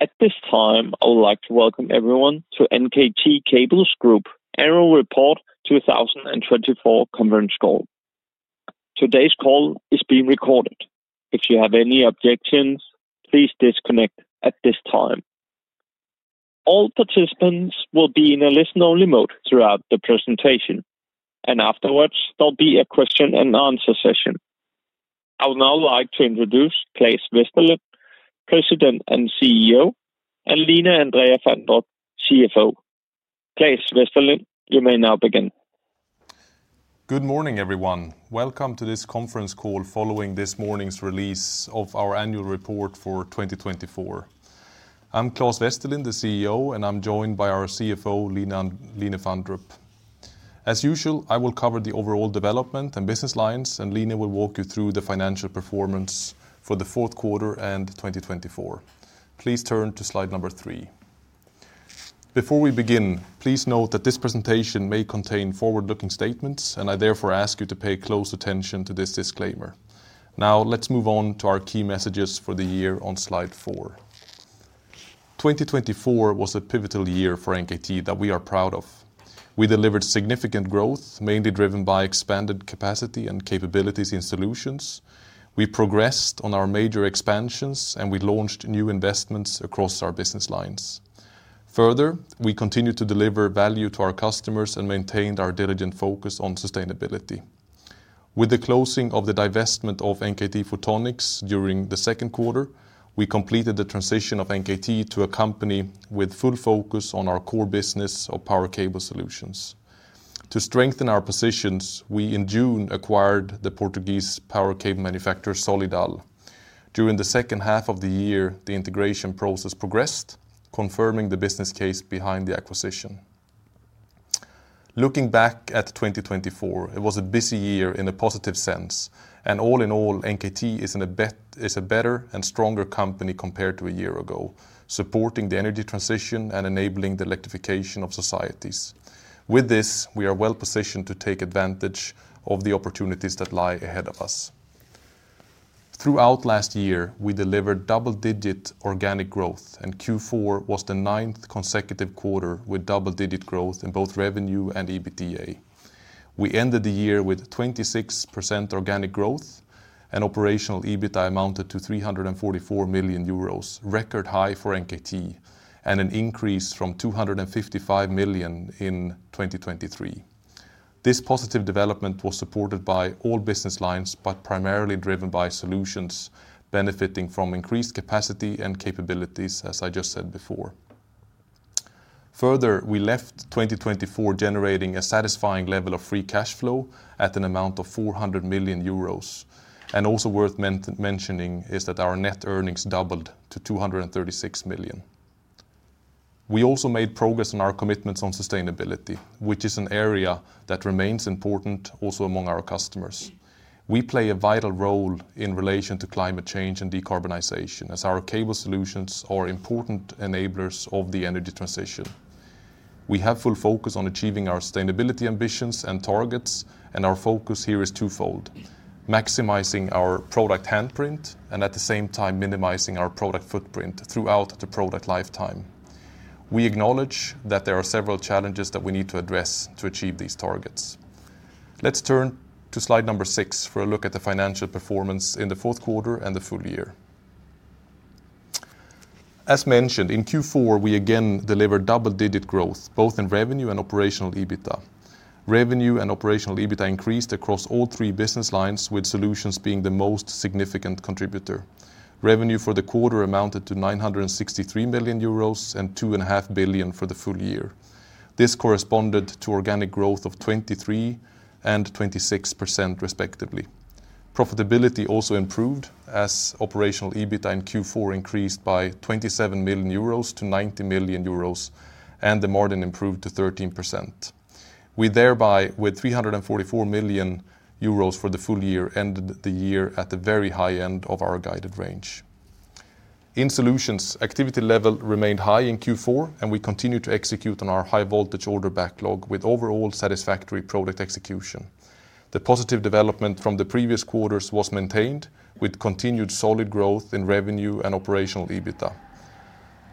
At this time, I would like to welcome everyone to NKT A/S's Annual Report 2024 Conference Call. Today's call is being recorded. If you have any objections, please disconnect at this time. All participants will be in a listen-only mode throughout the presentation, and afterwards, there'll be a question-and-answer session. I would now like to introduce Claes Westerlind, President and CEO, and Line Andrea Fandrup, CFO. Claes Westerlind, you may now begin. Good morning, everyone. Welcome to this conference call following this morning's release of our annual report for 2024. I'm Claes Westerlind, the CEO, and I'm joined by our CFO, Line Andrea Fandrup. As usual, I will cover the overall development and business lines, and Line will walk you through the financial performance for the fourth quarter and 2024. Please turn to slide number three. Before we begin, please note that this presentation may contain forward-looking statements, and I therefore ask you to pay close attention to this disclaimer. Now, let's move on to our key messages for the year on slide four. 2024 was a pivotal year for NKT that we are proud of. We delivered significant growth, mainly driven by expanded capacity and capabilities in Solutions. We progressed on our major expansions, and we launched new investments across our business lines. Further, we continued to deliver value to our customers and maintained our diligent focus on sustainability. With the closing of the divestment of NKT Photonics during the second quarter, we completed the transition of NKT to a company with full focus on our core business of power cable Solutions. To strengthen our positions, we, in June, acquired the Portuguese power cable manufacturer, Solidal. During the second half of the year, the integration process progressed, confirming the business case behind the acquisition. Looking back at 2024, it was a busy year in a positive sense, and all in all, NKT is a better and stronger company compared to a year ago, supporting the energy transition and enabling the electrification of societies. With this, we are well positioned to take advantage of the opportunities that lie ahead of us. Throughout last year, we delivered double-digit organic growth, and Q4 was the ninth consecutive quarter with double-digit growth in both revenue and EBITDA. We ended the year with 26% organic growth, and operational EBITDA amounted to €344 million, record high for NKT, and an increase from €255 million in 2023. This positive development was supported by all business lines, but primarily driven by Solutions benefiting from increased capacity and capabilities, as I just said before. Further, we left 2024 generating a satisfying level of free cash flow at an amount of €400 million. And also worth mentioning is that our net earnings doubled to €236 million. We also made progress on our commitments on sustainability, which is an area that remains important also among our customers. We play a vital role in relation to climate change and decarbonization, as our cable Solutions are important enablers of the energy transition. We have full focus on achieving our sustainability ambitions and targets, and our focus here is twofold: maximizing our product handprint and at the same time minimizing our product footprint throughout the product lifetime. We acknowledge that there are several challenges that we need to address to achieve these targets. Let's turn to slide number six for a look at the financial performance in the fourth quarter and the full year. As mentioned, in Q4, we again delivered double-digit growth, both in revenue and operational EBITDA. Revenue and operational EBITDA increased across all three business lines, with Solutions being the most significant contributor. Revenue for the quarter amounted to €963 million and €2.5 billion for the full year. This corresponded to organic growth of 23% and 26%, respectively. Profitability also improved as operational EBITDA in Q4 increased by €27 million to €90 million, and the margin improved to 13%. We thereby, with 344 million euros for the full year, ended the year at the very high end of our guided range. In Solutions, activity level remained high in Q4, and we continued to execute on our high-voltage order backlog with overall satisfactory product execution. The positive development from the previous quarters was maintained, with continued solid growth in revenue and operational EBITDA,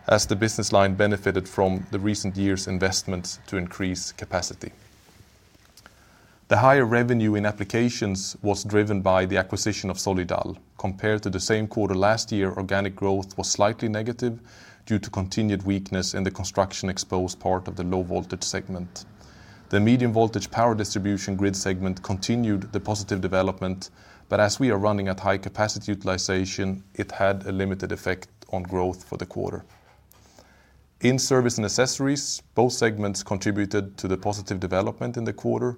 as the business line benefited from the recent year's investments to increase capacity. The higher revenue in Applications was driven by the acquisition of Solidal. Compared to the same quarter last year, organic growth was slightly negative due to continued weakness in the construction-exposed part of the low-voltage segment. The medium-voltage power distribution grid segment continued the positive development, but as we are running at high capacity utilization, it had a limited effect on growth for the quarter. In Service and accessories, both segments contributed to the positive development in the quarter.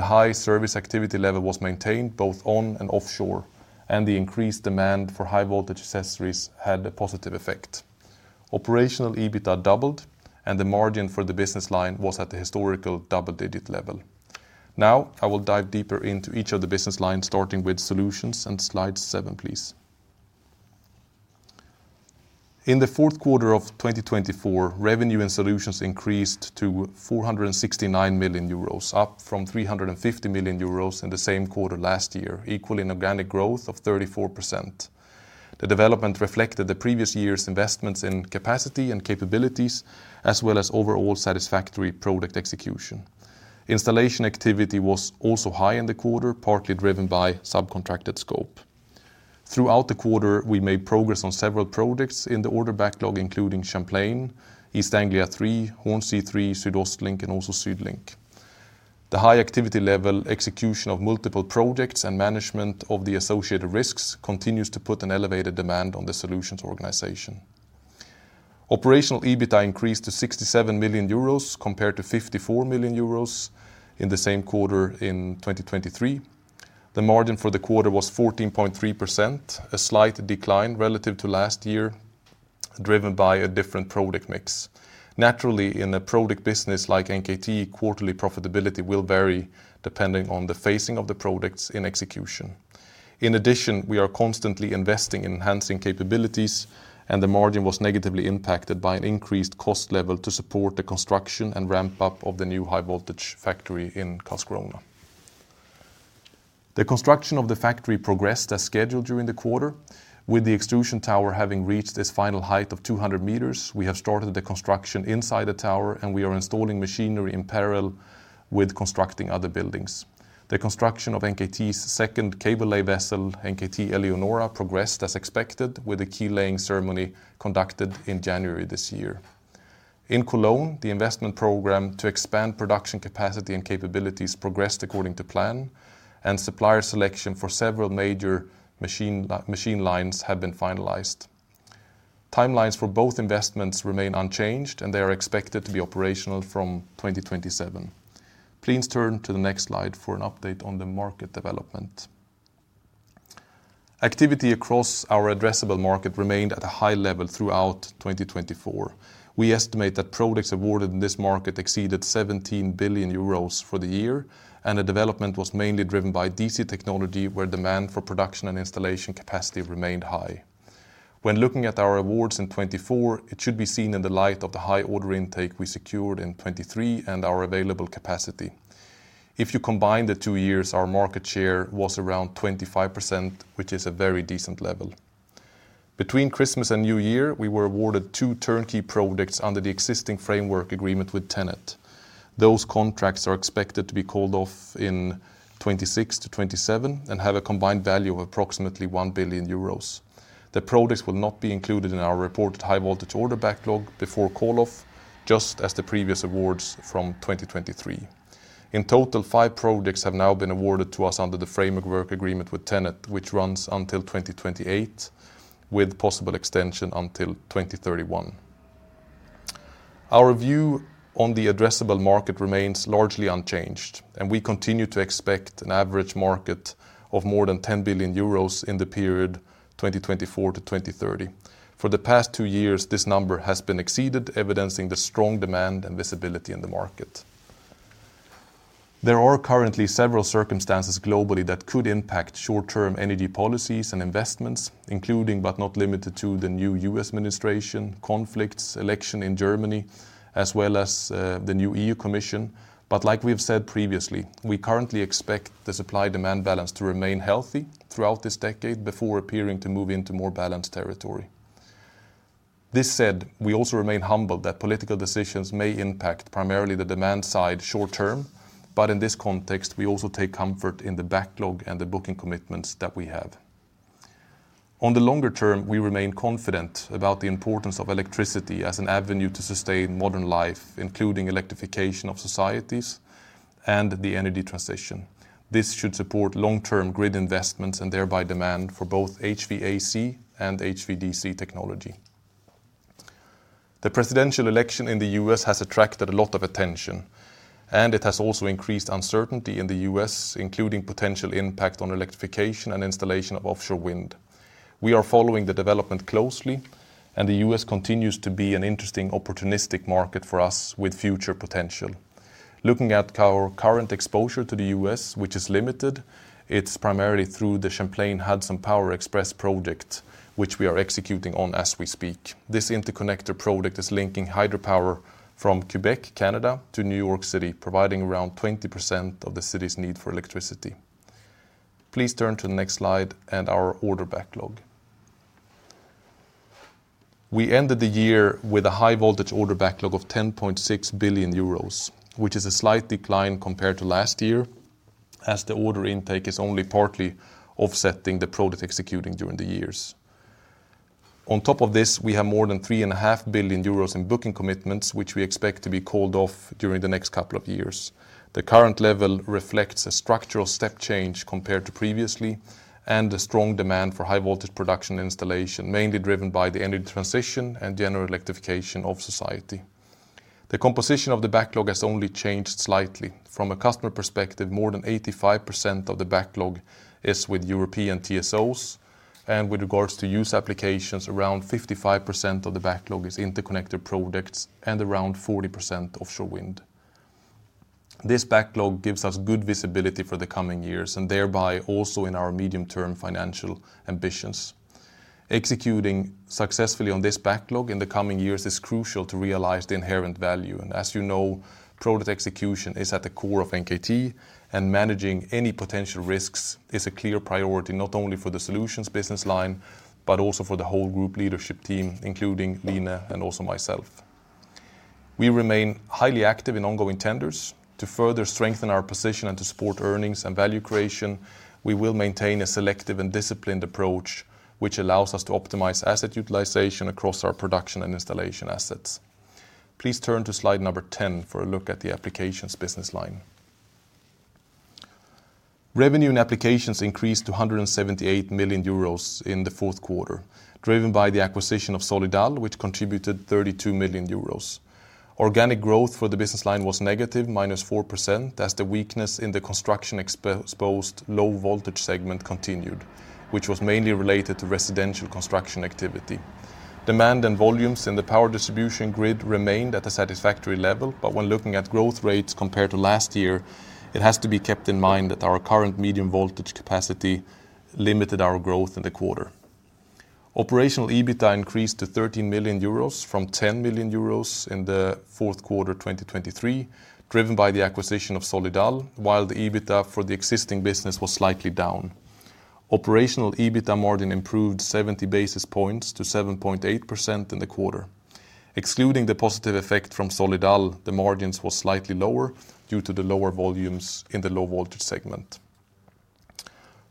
The high Service activity level was maintained both on and offshore, and the increased demand for high-voltage accessories had a positive effect. Operational EBITDA doubled, and the margin for the business line was at the historical double-digit level. Now, I will dive deeper into each of the business lines, starting with Solutions, and slide seven, please. In the fourth quarter of 2024, revenue in Solutions increased to €469 million, up from €350 million in the same quarter last year, equaling organic growth of 34%. The development reflected the previous year's investments in capacity and capabilities, as well as overall satisfactory product execution. Installation activity was also high in the quarter, partly driven by subcontracted scope. Throughout the quarter, we made progress on several projects in the order backlog, including Champlain, East Anglia III, Hornsea III, SüdostLink, and also SüdLink. The high activity level, execution of multiple projects, and management of the associated risks continues to put an elevated demand on the Solutions organization. Operational EBITDA increased to 67 million euros compared to 54 million euros in the same quarter in 2023. The margin for the quarter was 14.3%, a slight decline relative to last year, driven by a different product mix. Naturally, in a product business like NKT, quarterly profitability will vary depending on the phasing of the products in execution. In addition, we are constantly investing in enhancing capabilities, and the margin was negatively impacted by an increased cost level to support the construction and ramp-up of the new high-voltage factory in Karlskrona. The construction of the factory progressed as scheduled during the quarter, with the extrusion tower having reached its final height of 200 meters. We have started the construction inside the tower, and we are installing machinery in parallel with constructing other buildings. The construction of NKT's second cable-laying vessel, NKT Eleonora, progressed as expected, with a keel-laying ceremony conducted in January this year. In Cologne, the investment program to expand production capacity and capabilities progressed according to plan, and supplier selection for several major machine lines has been finalized. Timelines for both investments remain unchanged, and they are expected to be operational from 2027. Please turn to the next slide for an update on the market development. Activity across our addressable market remained at a high level throughout 2024. We estimate that products awarded in this market exceeded 17 billion euros for the year, and the development was mainly driven by DC technology, where demand for production and installation capacity remained high. When looking at our awards in 2024, it should be seen in the light of the high order intake we secured in 2023 and our available capacity. If you combine the two years, our market share was around 25%, which is a very decent level. Between Christmas and New Year, we were awarded two turnkey products under the existing framework agreement with TenneT. Those contracts are expected to be called off in 2026 to 2027 and have a combined value of approximately 1 billion euros. The products will not be included in our reported high-voltage order backlog before call-off, just as the previous awards from 2023. In total, five products have now been awarded to us under the framework agreement with TenneT, which runs until 2028, with possible extension until 2031. Our view on the addressable market remains largely unchanged, and we continue to expect an average market of more than €10 billion in the period 2024 to 2030. For the past two years, this number has been exceeded, evidencing the strong demand and visibility in the market. There are currently several circumstances globally that could impact short-term energy policies and investments, including but not limited to the new U.S. administration, conflicts, election in Germany, as well as the new E.U. Commission. But like we've said previously, we currently expect the supply-demand balance to remain healthy throughout this decade before appearing to move into more balanced territory. This said, we also remain humbled that political decisions may impact primarily the demand side short-term, but in this context, we also take comfort in the backlog and the booking commitments that we have. On the longer term, we remain confident about the importance of electricity as an avenue to sustain modern life, including electrification of societies and the energy transition. This should support long-term grid investments and thereby demand for both HVAC and HVDC technology. The presidential election in the U.S. has attracted a lot of attention, and it has also increased uncertainty in the U.S., including potential impact on electrification and installation of offshore wind. We are following the development closely, and the U.S. continues to be an interesting opportunistic market for us with future potential. Looking at our current exposure to the US, which is limited, it's primarily through the Champlain Hudson Power Express project, which we are executing on as we speak. This interconnector project is linking hydropower from Quebec, Canada, to New York City, providing around 20% of the city's need for electricity. Please turn to the next slide and our order backlog. We ended the year with a high-voltage order backlog of 10.6 billion euros, which is a slight decline compared to last year, as the order intake is only partly offsetting the project execution during the years. On top of this, we have more than 3.5 billion euros in booking commitments, which we expect to be called off during the next couple of years. The current level reflects a structural step change compared to previously and a strong demand for high-voltage production installation, mainly driven by the energy transition and general electrification of society. The composition of the backlog has only changed slightly. From a customer perspective, more than 85% of the backlog is with European TSOs, and with regards to use Applications, around 55% of the backlog is interconnector products and around 40% offshore wind. This backlog gives us good visibility for the coming years and thereby also in our medium-term financial ambitions. Executing successfully on this backlog in the coming years is crucial to realize the inherent value, and as you know, product execution is at the core of NKT, and managing any potential risks is a clear priority not only for the Solutions business line but also for the whole group leadership team, including Line and also myself. We remain highly active in ongoing tenders. To further strengthen our position and to support earnings and value creation, we will maintain a selective and disciplined approach, which allows us to optimize asset utilization across our production and installation assets. Please turn to slide number 10 for a look at the Applications business line. Revenue in Applications increased to 178 million euros in the fourth quarter, driven by the acquisition of Solidal, which contributed 32 million euros. Organic growth for the business line was negative, minus 4%, as the weakness in the construction-exposed low-voltage segment continued, which was mainly related to residential construction activity. Demand and volumes in the power distribution grid remained at a satisfactory level, but when looking at growth rates compared to last year, it has to be kept in mind that our current medium-voltage capacity limited our growth in the quarter. Operational EBITDA increased to 13 million euros from 10 million euros in the fourth quarter 2023, driven by the acquisition of Solidal, while the EBITDA for the existing business was slightly down. Operational EBITDA margin improved 70 basis points to 7.8% in the quarter. Excluding the positive effect from Solidal, the margins were slightly lower due to the lower volumes in the low-voltage segment.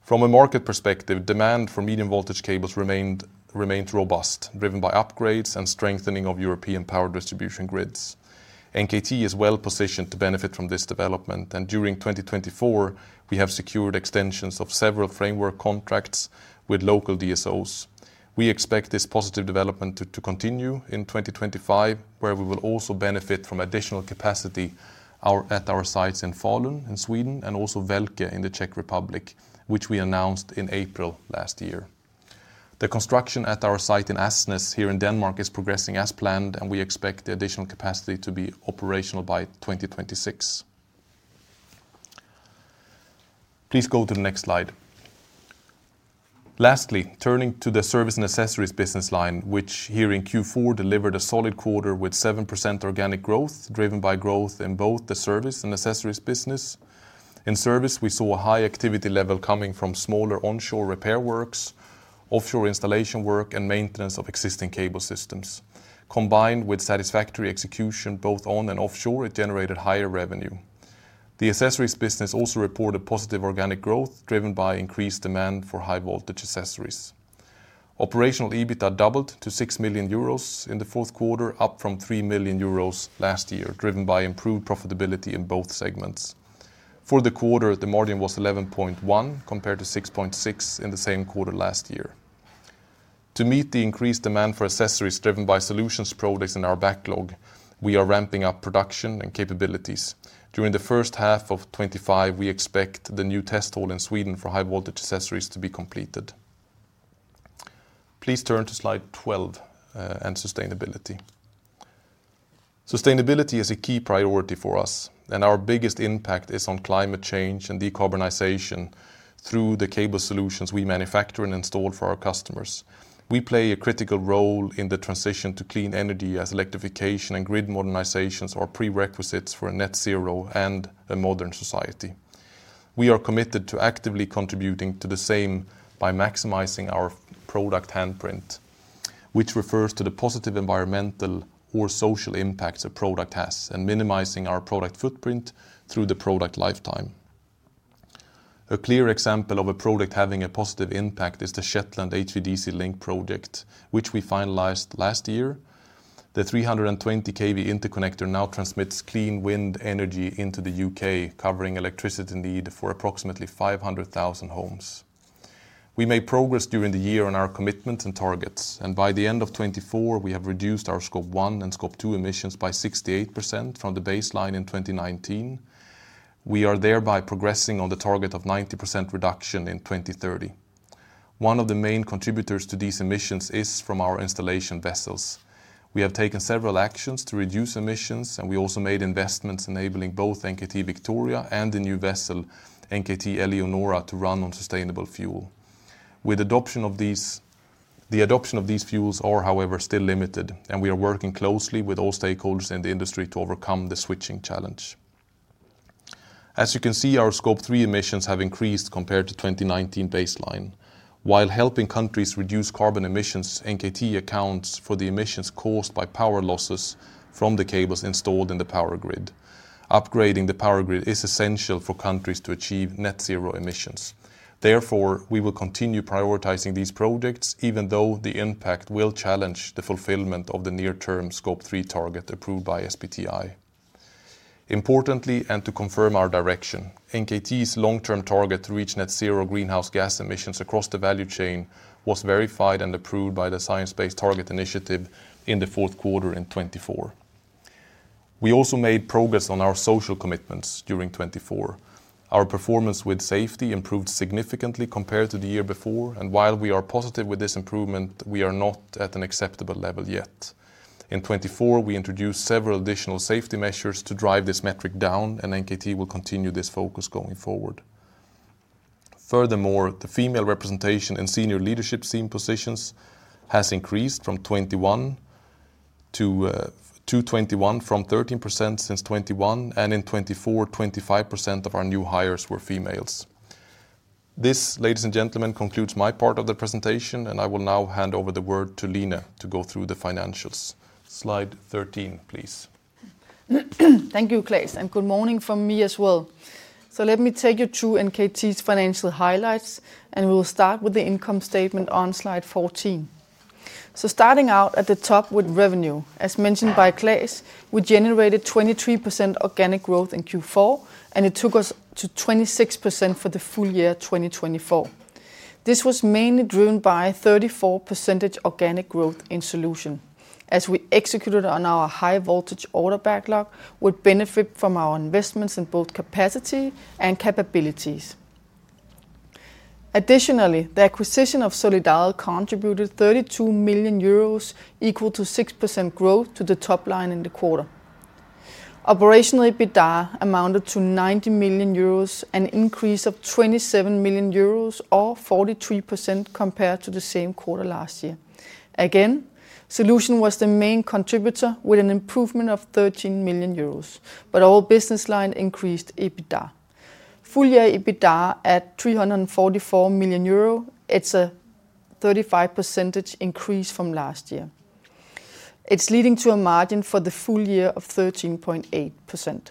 From a market perspective, demand for medium-voltage cables remained robust, driven by upgrades and strengthening of European power distribution grids. NKT is well positioned to benefit from this development, and during 2024, we have secured extensions of several framework contracts with local DSOs. We expect this positive development to continue in 2025, where we will also benefit from additional capacity at our sites in Falun in Sweden and also Velké Meziříčí in the Czech Republic, which we announced in April last year. The construction at our site in Asnæs here in Denmark is progressing as planned, and we expect the additional capacity to be operational by 2026. Please go to the next slide. Lastly, turning to the Service and accessories business line, which here in Q4 delivered a solid quarter with 7% organic growth driven by growth in both the Service and accessories business. In Service, we saw a high activity level coming from smaller onshore repair works, offshore installation work, and maintenance of existing cable systems. Combined with satisfactory execution both on and offshore, it generated higher revenue. The accessories business also reported positive organic growth driven by increased demand for high-voltage accessories. Operational EBITDA doubled to 6 million euros in the fourth quarter, up from 3 million euros last year, driven by improved profitability in both segments. For the quarter, the margin was 11.1 compared to 6.6 in the same quarter last year. To meet the increased demand for accessories driven by Solutions products in our backlog, we are ramping up production and capabilities. During the first half of 2025, we expect the new test hall in Sweden for high-voltage accessories to be completed. Please turn to slide 12 and sustainability. Sustainability is a key priority for us, and our biggest impact is on climate change and decarbonization through the cable Solutions we manufacture and install for our customers. We play a critical role in the transition to clean energy, as electrification and grid modernizations are prerequisites for a net zero and a modern society. We are committed to actively contributing to the same by maximizing our product handprint, which refers to the positive environmental or social impacts a product has, and minimizing our product footprint through the product lifetime. A clear example of a product having a positive impact is the Shetland HVDC Link project, which we finalized last year. The 320 kV interconnector now transmits clean wind energy into the U.K., covering electricity need for approximately 500,000 homes. We made progress during the year on our commitments and targets, and by the end of 2024, we have reduced our Scope 1 and Scope 2 emissions by 68% from the baseline in 2019. We are thereby progressing on the target of 90% reduction in 2030. One of the main contributors to these emissions is from our installation vessels. We have taken several actions to reduce emissions, and we also made investments enabling both NKT Victoria and the new vessel NKT Eleonora to run on sustainable fuel. With the adoption of these fuels, however, still limited, and we are working closely with all stakeholders in the industry to overcome the switching challenge. As you can see, our Scope 3 emissions have increased compared to 2019 baseline. While helping countries reduce carbon emissions, NKT accounts for the emissions caused by power losses from the cables installed in the power grid. Upgrading the power grid is essential for countries to achieve net zero emissions. Therefore, we will continue prioritizing these projects, even though the impact will challenge the fulfillment of the near-term Scope 3 target approved by SBTi. Importantly, and to confirm our direction, NKT's long-term target to reach net zero greenhouse gas emissions across the value chain was verified and approved by the Science Based Targets initiative in the fourth quarter in 2024. We also made progress on our social commitments during 2024. Our performance with safety improved significantly compared to the year before, and while we are positive with this improvement, we are not at an acceptable level yet. In 2024, we introduced several additional safety measures to drive this metric down, and NKT will continue this focus going forward. Furthermore, the female representation in senior leadership team positions has increased from 13% to 21% since 2021, and in 2024, 25% of our new hires were females. This, ladies and gentlemen, concludes my part of the presentation, and I will now hand over the word to Line to go through the financials. Slide 13, please. Thank you, Claes, and good morning from me as well. So let me take you through NKT's financial highlights, and we will start with the income statement on slide 14. So starting out at the top with revenue, as mentioned by Claes, we generated 23% organic growth in Q4, and it took us to 26% for the full year 2024. This was mainly driven by 34% organic growth in solution. As we executed on our high-voltage order backlog, we benefited from our investments in both capacity and capabilities. Additionally, the acquisition of Solidal contributed €32 million, equal to 6% growth to the top line in the quarter. Operational EBITDA amounted to €90 million and an increase of €27 million or 43% compared to the same quarter last year. Again, solution was the main contributor with an improvement of €13 million, but all business line increased EBITDA. Full year EBITDA at 344 million euro, it's a 35% increase from last year. It's leading to a margin for the full year of 13.8%.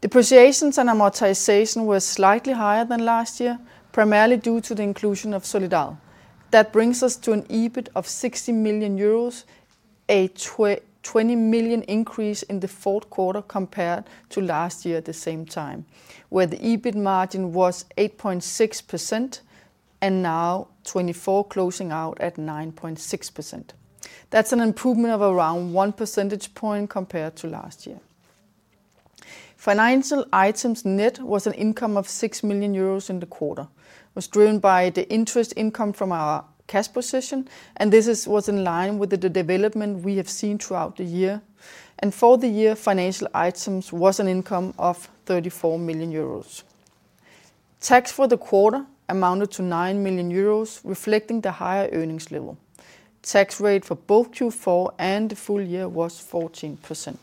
Depreciation and amortization were slightly higher than last year, primarily due to the inclusion of Solidal. That brings us to an EBIT of 60 million euros, a 20 million increase in the fourth quarter compared to last year at the same time, where the EBIT margin was 8.6% and now 2024 closing out at 9.6%. That's an improvement of around one percentage point compared to last year. Financial items net was an income of 6 million euros in the quarter, was driven by the interest income from our cash position, and this was in line with the development we have seen throughout the year. For the year, financial items was an income of 34 million euros. Tax for the quarter amounted to 9 million euros, reflecting the higher earnings level. Tax rate for both Q4 and the full year was 14%.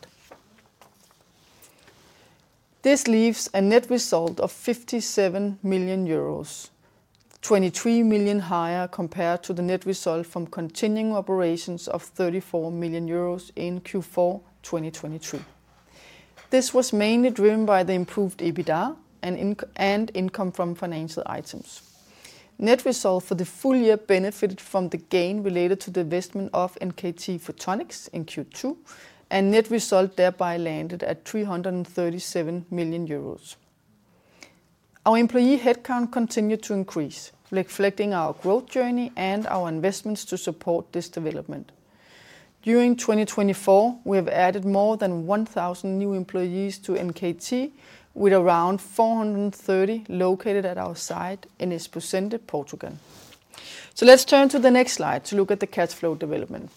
This leaves a net result of 57 million euros, 23 million higher compared to the net result from continuing operations of 34 million euros in Q4 2023. This was mainly driven by the improved EBITDA and income from financial items. Net result for the full year benefited from the gain related to the divestment of NKT Photonics in Q2, and net result thereby landed at 337 million euros. Our employee headcount continued to increase, reflecting our growth journey and our investments to support this development. During 2024, we have added more than 1,000 new employees to NKT, with around 430 located at our site in Esposende, Portugal. Let's turn to the next slide to look at the cash flow development.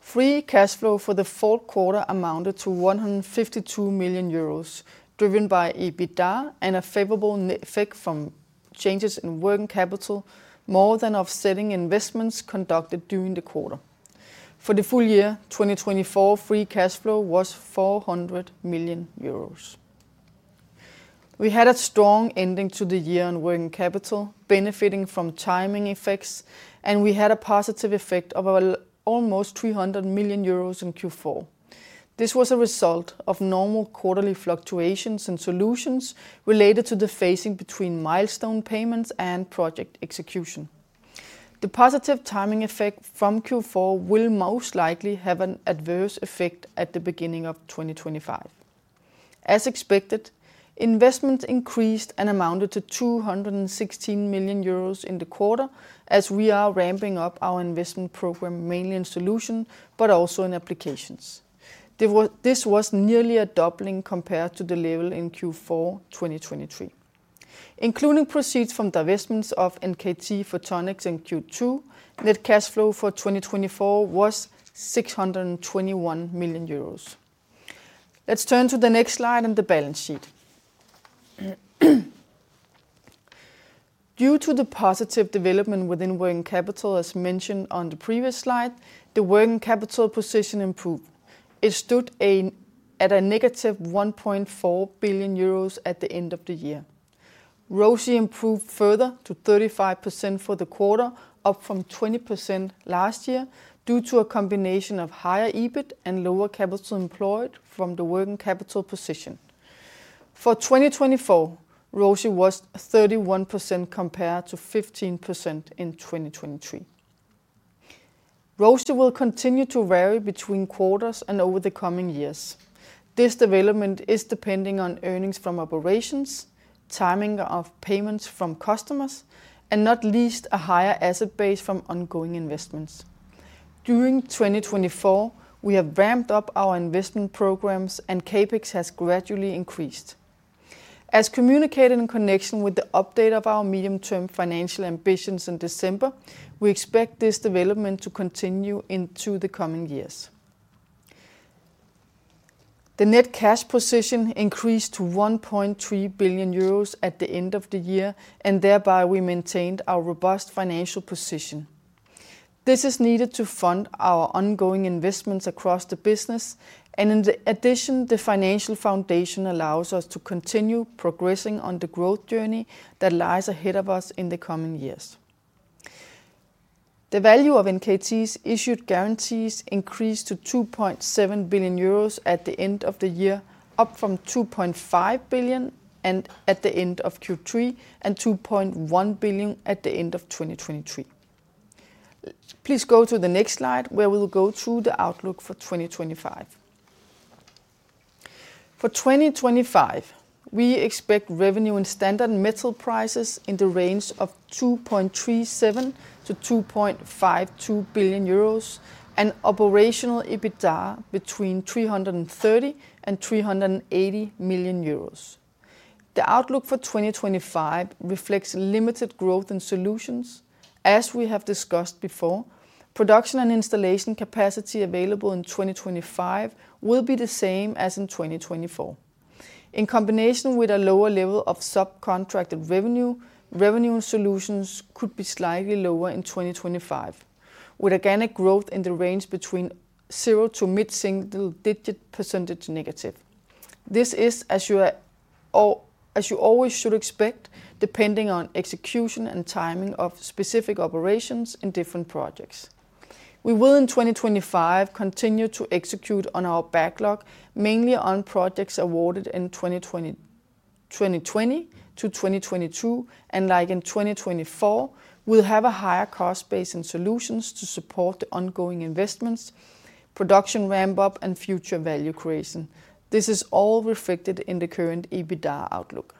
Free cash flow for the fourth quarter amounted to 152 million euros, driven by EBITDA and a favorable effect from changes in working capital more than offsetting investments conducted during the quarter. For the full year, 2024 free cash flow was 400 million euros. We had a strong ending to the year on working capital, benefiting from timing effects, and we had a positive effect of almost 300 million euros in Q4. This was a result of normal quarterly fluctuations in Solutions related to the phasing between milestone payments and project execution. The positive timing effect from Q4 will most likely have an adverse effect at the beginning of 2025. As expected, investments increased and amounted to 216 million euros in the quarter, as we are ramping up our investment program mainly in solution, but also in Applications. This was nearly a doubling compared to the level in Q4 2023. Including proceeds from the investments of NKT Photonics in Q2, net cash flow for 2024 was 621 million euros. Let's turn to the next slide on the balance sheet. Due to the positive development within working capital, as mentioned on the previous slide, the working capital position improved. It stood at a negative 1.4 billion euros at the end of the year. ROSI improved further to 35% for the quarter, up from 20% last year due to a combination of higher EBIT and lower capital employed from the working capital position. For 2024, ROSI was 31% compared to 15% in 2023. ROSI will continue to vary between quarters and over the coming years. This development is depending on earnings from operations, timing of payments from customers, and not least a higher asset base from ongoing investments. During 2024, we have ramped up our investment programs, and CapEx has gradually increased. As communicated in connection with the update of our medium-term financial ambitions in December, we expect this development to continue into the coming years. The net cash position increased to 1.3 billion euros at the end of the year, and thereby we maintained our robust financial position. This is needed to fund our ongoing investments across the business, and in addition, the financial foundation allows us to continue progressing on the growth journey that lies ahead of us in the coming years. The value of NKT's issued guarantees increased to 2.7 billion euros at the end of the year, up from 2.5 billion at the end of Q3 and 2.1 billion at the end of 2023. Please go to the next slide, where we will go through the outlook for 2025. For 2025, we expect revenue in standard metal prices in the range of €2.37 to €2.52 billion and operational EBITDA between €330 and €380 million. The outlook for 2025 reflects limited growth in Solutions. As we have discussed before, production and installation capacity available in 2025 will be the same as in 2024. In combination with a lower level of subcontracted revenue, revenue in Solutions could be slightly lower in 2025, with organic growth in the range between zero to mid-single digit percentage negative. This is, as you always should expect, depending on execution and timing of specific operations in different projects. We will in 2025 continue to execute on our backlog, mainly on projects awarded in 2020 to 2022, and like in 2024, we'll have a higher cost base in Solutions to support the ongoing investments, production ramp-up, and future value creation. This is all reflected in the current EBITDA outlook.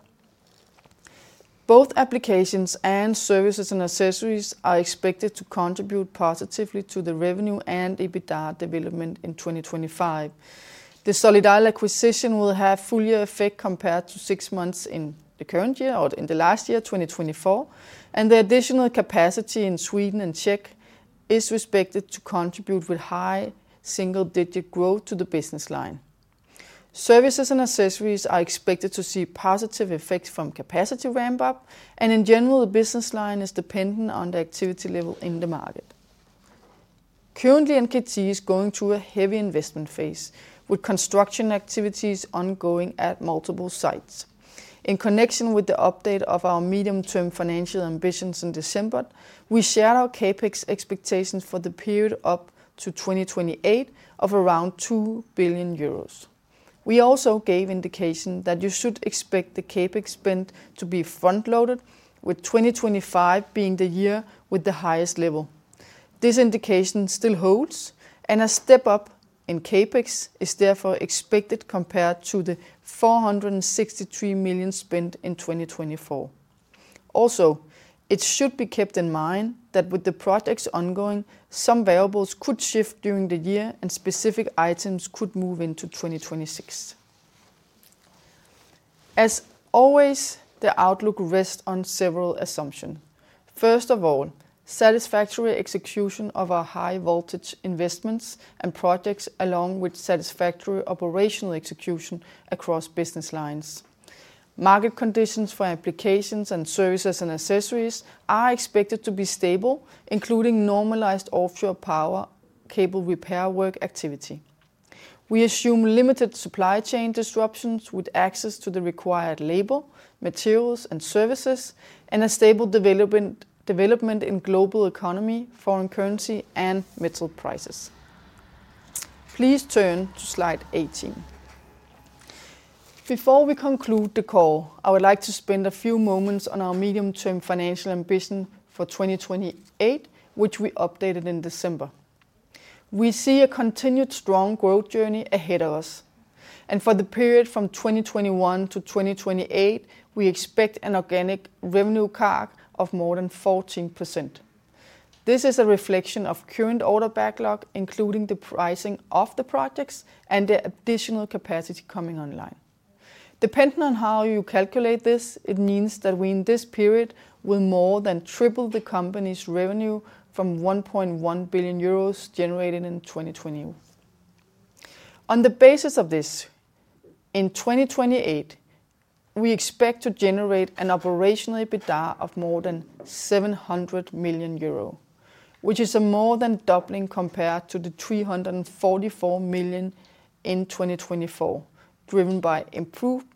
Both Applications and Services and accessories are expected to contribute positively to the revenue and EBITDA development in 2025. The Solidal acquisition will have full year effect compared to six months in the current year or in the last year, 2024, and the additional capacity in Sweden and Czech is expected to contribute with high single-digit growth to the business line. Services and accessories are expected to see positive effects from capacity ramp-up, and in general, the business line is dependent on the activity level in the market. Currently, NKT is going through a heavy investment phase with construction activities ongoing at multiple sites. In connection with the update of our medium-term financial ambitions in December, we shared our CapEx expectations for the period up to 2028 of around €2 billion. We also gave indication that you should expect the CapEx spend to be front-loaded, with 2025 being the year with the highest level. This indication still holds, and a step up in CapEx is therefore expected compared to the €463 million spent in 2024. Also, it should be kept in mind that with the projects ongoing, some variables could shift during the year and specific items could move into 2026. As always, the outlook rests on several assumptions. First of all, satisfactory execution of our high-voltage investments and projects, along with satisfactory operational execution across business lines. Market conditions for Applications and Services and accessories are expected to be stable, including normalized offshore power cable repair work activity. We assume limited supply chain disruptions with access to the required labor, materials, and Services, and a stable development in global economy, foreign currency, and metal prices. Please turn to slide 18. Before we conclude the call, I would like to spend a few moments on our medium-term financial ambition for 2028, which we updated in December. We see a continued strong growth journey ahead of us, and for the period from 2021 to 2028, we expect an organic revenue CAGR of more than 14%. This is a reflection of current order backlog, including the pricing of the projects and the additional capacity coming online. Depending on how you calculate this, it means that we in this period will more than triple the company's revenue from €1.1 billion generated in 2020. On the basis of this, in 2028, we expect to generate an operational EBITDA of more than €700 million, which is a more than doubling compared to the €344 million in 2024, driven by improved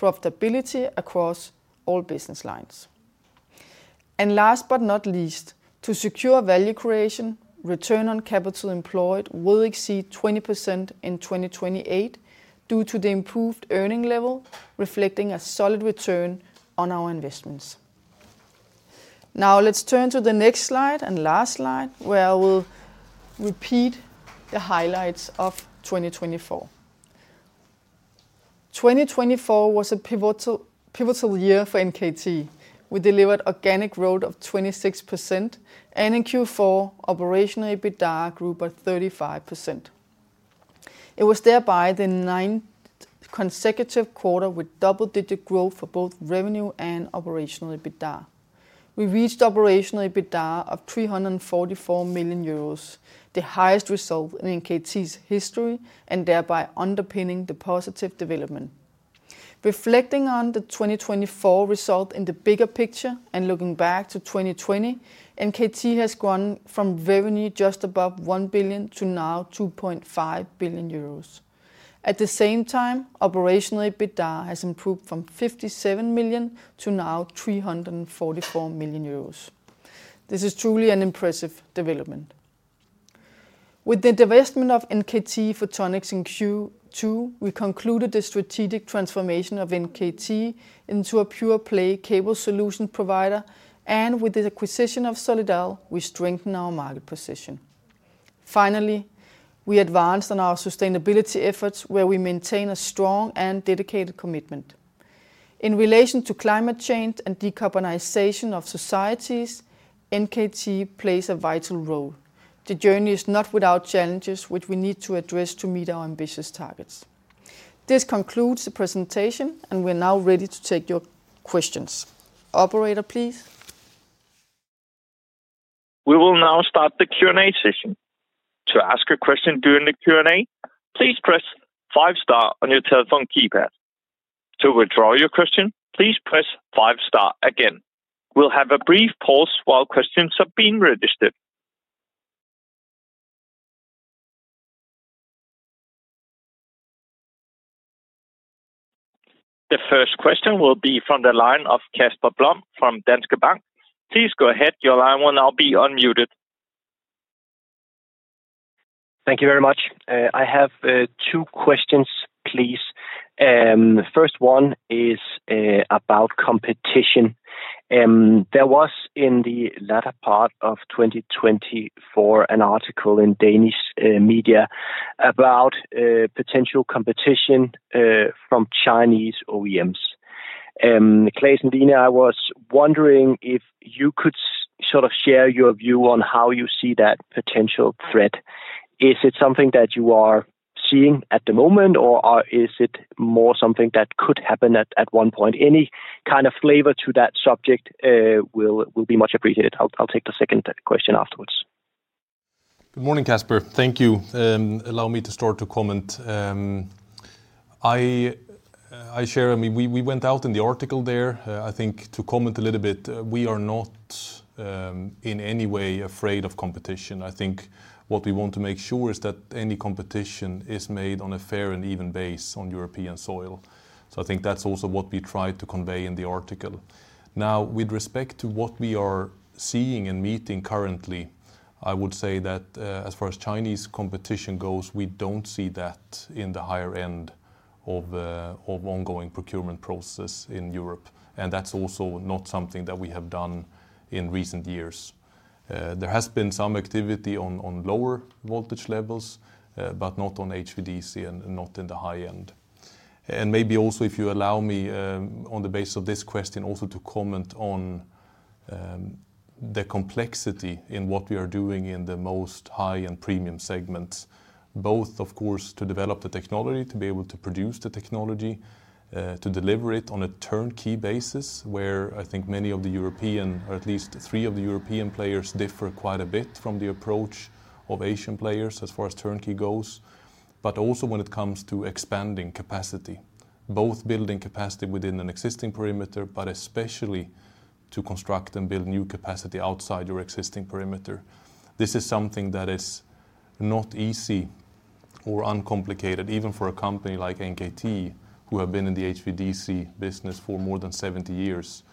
profitability across all business lines. Last but not least, to secure value creation, return on capital employed will exceed 20% in 2028 due to the improved earning level, reflecting a solid return on our investments. Now let's turn to the next slide and last slide, where I will repeat the highlights of 2024. 2024 was a pivotal year for NKT. We delivered organic growth of 26% and in Q4 operational EBITDA grew by 35%. It was thereby the ninth consecutive quarter with double-digit growth for both revenue and operational EBITDA. We reached operational EBITDA of 344 million euros, the highest result in NKT's history and thereby underpinning the positive development. Reflecting on the 2024 result in the bigger picture and looking back to 2020, NKT has grown from revenue just above 1 billion to now 2.5 billion euros. At the same time, operational EBITDA has improved from 57 million to now 344 million euros. This is truly an impressive development. With the divestment of NKT Photonics in Q2, we concluded the strategic transformation of NKT into a pure-play cable solution provider, and with the acquisition of Solidal, we strengthened our market position. Finally, we advanced on our sustainability efforts, where we maintain a strong and dedicated commitment. In relation to climate change and decarbonization of societies, NKT plays a vital role. The journey is not without challenges, which we need to address to meet our ambitious targets. This concludes the presentation, and we are now ready to take your questions. Operator, please. We will now start the Q&A session. To ask a question during the Q&A, please press five-star on your telephone keypad. To withdraw your question, please press five-star again. We'll have a brief pause while questions are being registered. The first question will be from the line of Kasper Blom from Danske Bank. Please go ahead. Your line will now be unmuted. Thank you very much. I have two questions, please. First one is about competition. There was, in the latter part of 2024, an article in Danish media about potential competition from Chinese OEMs. Claes and Line, I was wondering if you could sort of share your view on how you see that potential threat. Is it something that you are seeing at the moment, or is it more something that could happen at one point? Any kind of flavor to that subject will be much appreciated. I'll take the second question afterwards. Good morning, Kasper. Thank you. Allow me to start to comment. I share, I mean, we went out in the article there, I think, to comment a little bit. We are not in any way afraid of competition. I think what we want to make sure is that any competition is made on a fair and even basis on European soil. So I think that's also what we tried to convey in the article. Now, with respect to what we are seeing and meeting currently, I would say that as far as Chinese competition goes, we don't see that in the higher end of ongoing procurement process in Europe. And that's also not something that we have done in recent years. There has been some activity on lower voltage levels, but not on HVDC and not in the high end. Maybe also, if you allow me, on the basis of this question, also to comment on the complexity in what we are doing in the most high and premium segments, both, of course, to develop the technology, to be able to produce the technology, to deliver it on a turnkey basis, where I think many of the European, or at least three of the European players, differ quite a bit from the approach of Asian players as far as turnkey goes, but also when it comes to expanding capacity, both building capacity within an existing perimeter, but especially to construct and build new capacity outside your existing perimeter. This is something that is not easy or uncomplicated, even for a company like NKT, who have been in the HVDC business for more than 70 years,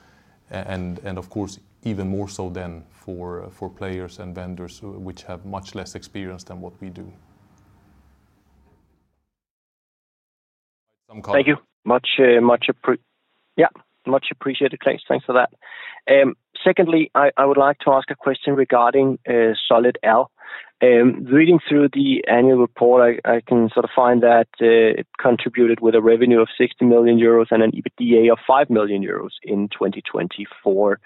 and of course, even more so than for players and vendors which have much less experience than what we do. Thank you. Yeah, much appreciated, Claes. Thanks for that. Secondly, I would like to ask a question regarding Solidal. Reading through the annual report, I can sort of find that it contributed with a revenue of 60 million euros and an EBITDA of 5 million euros in 2024.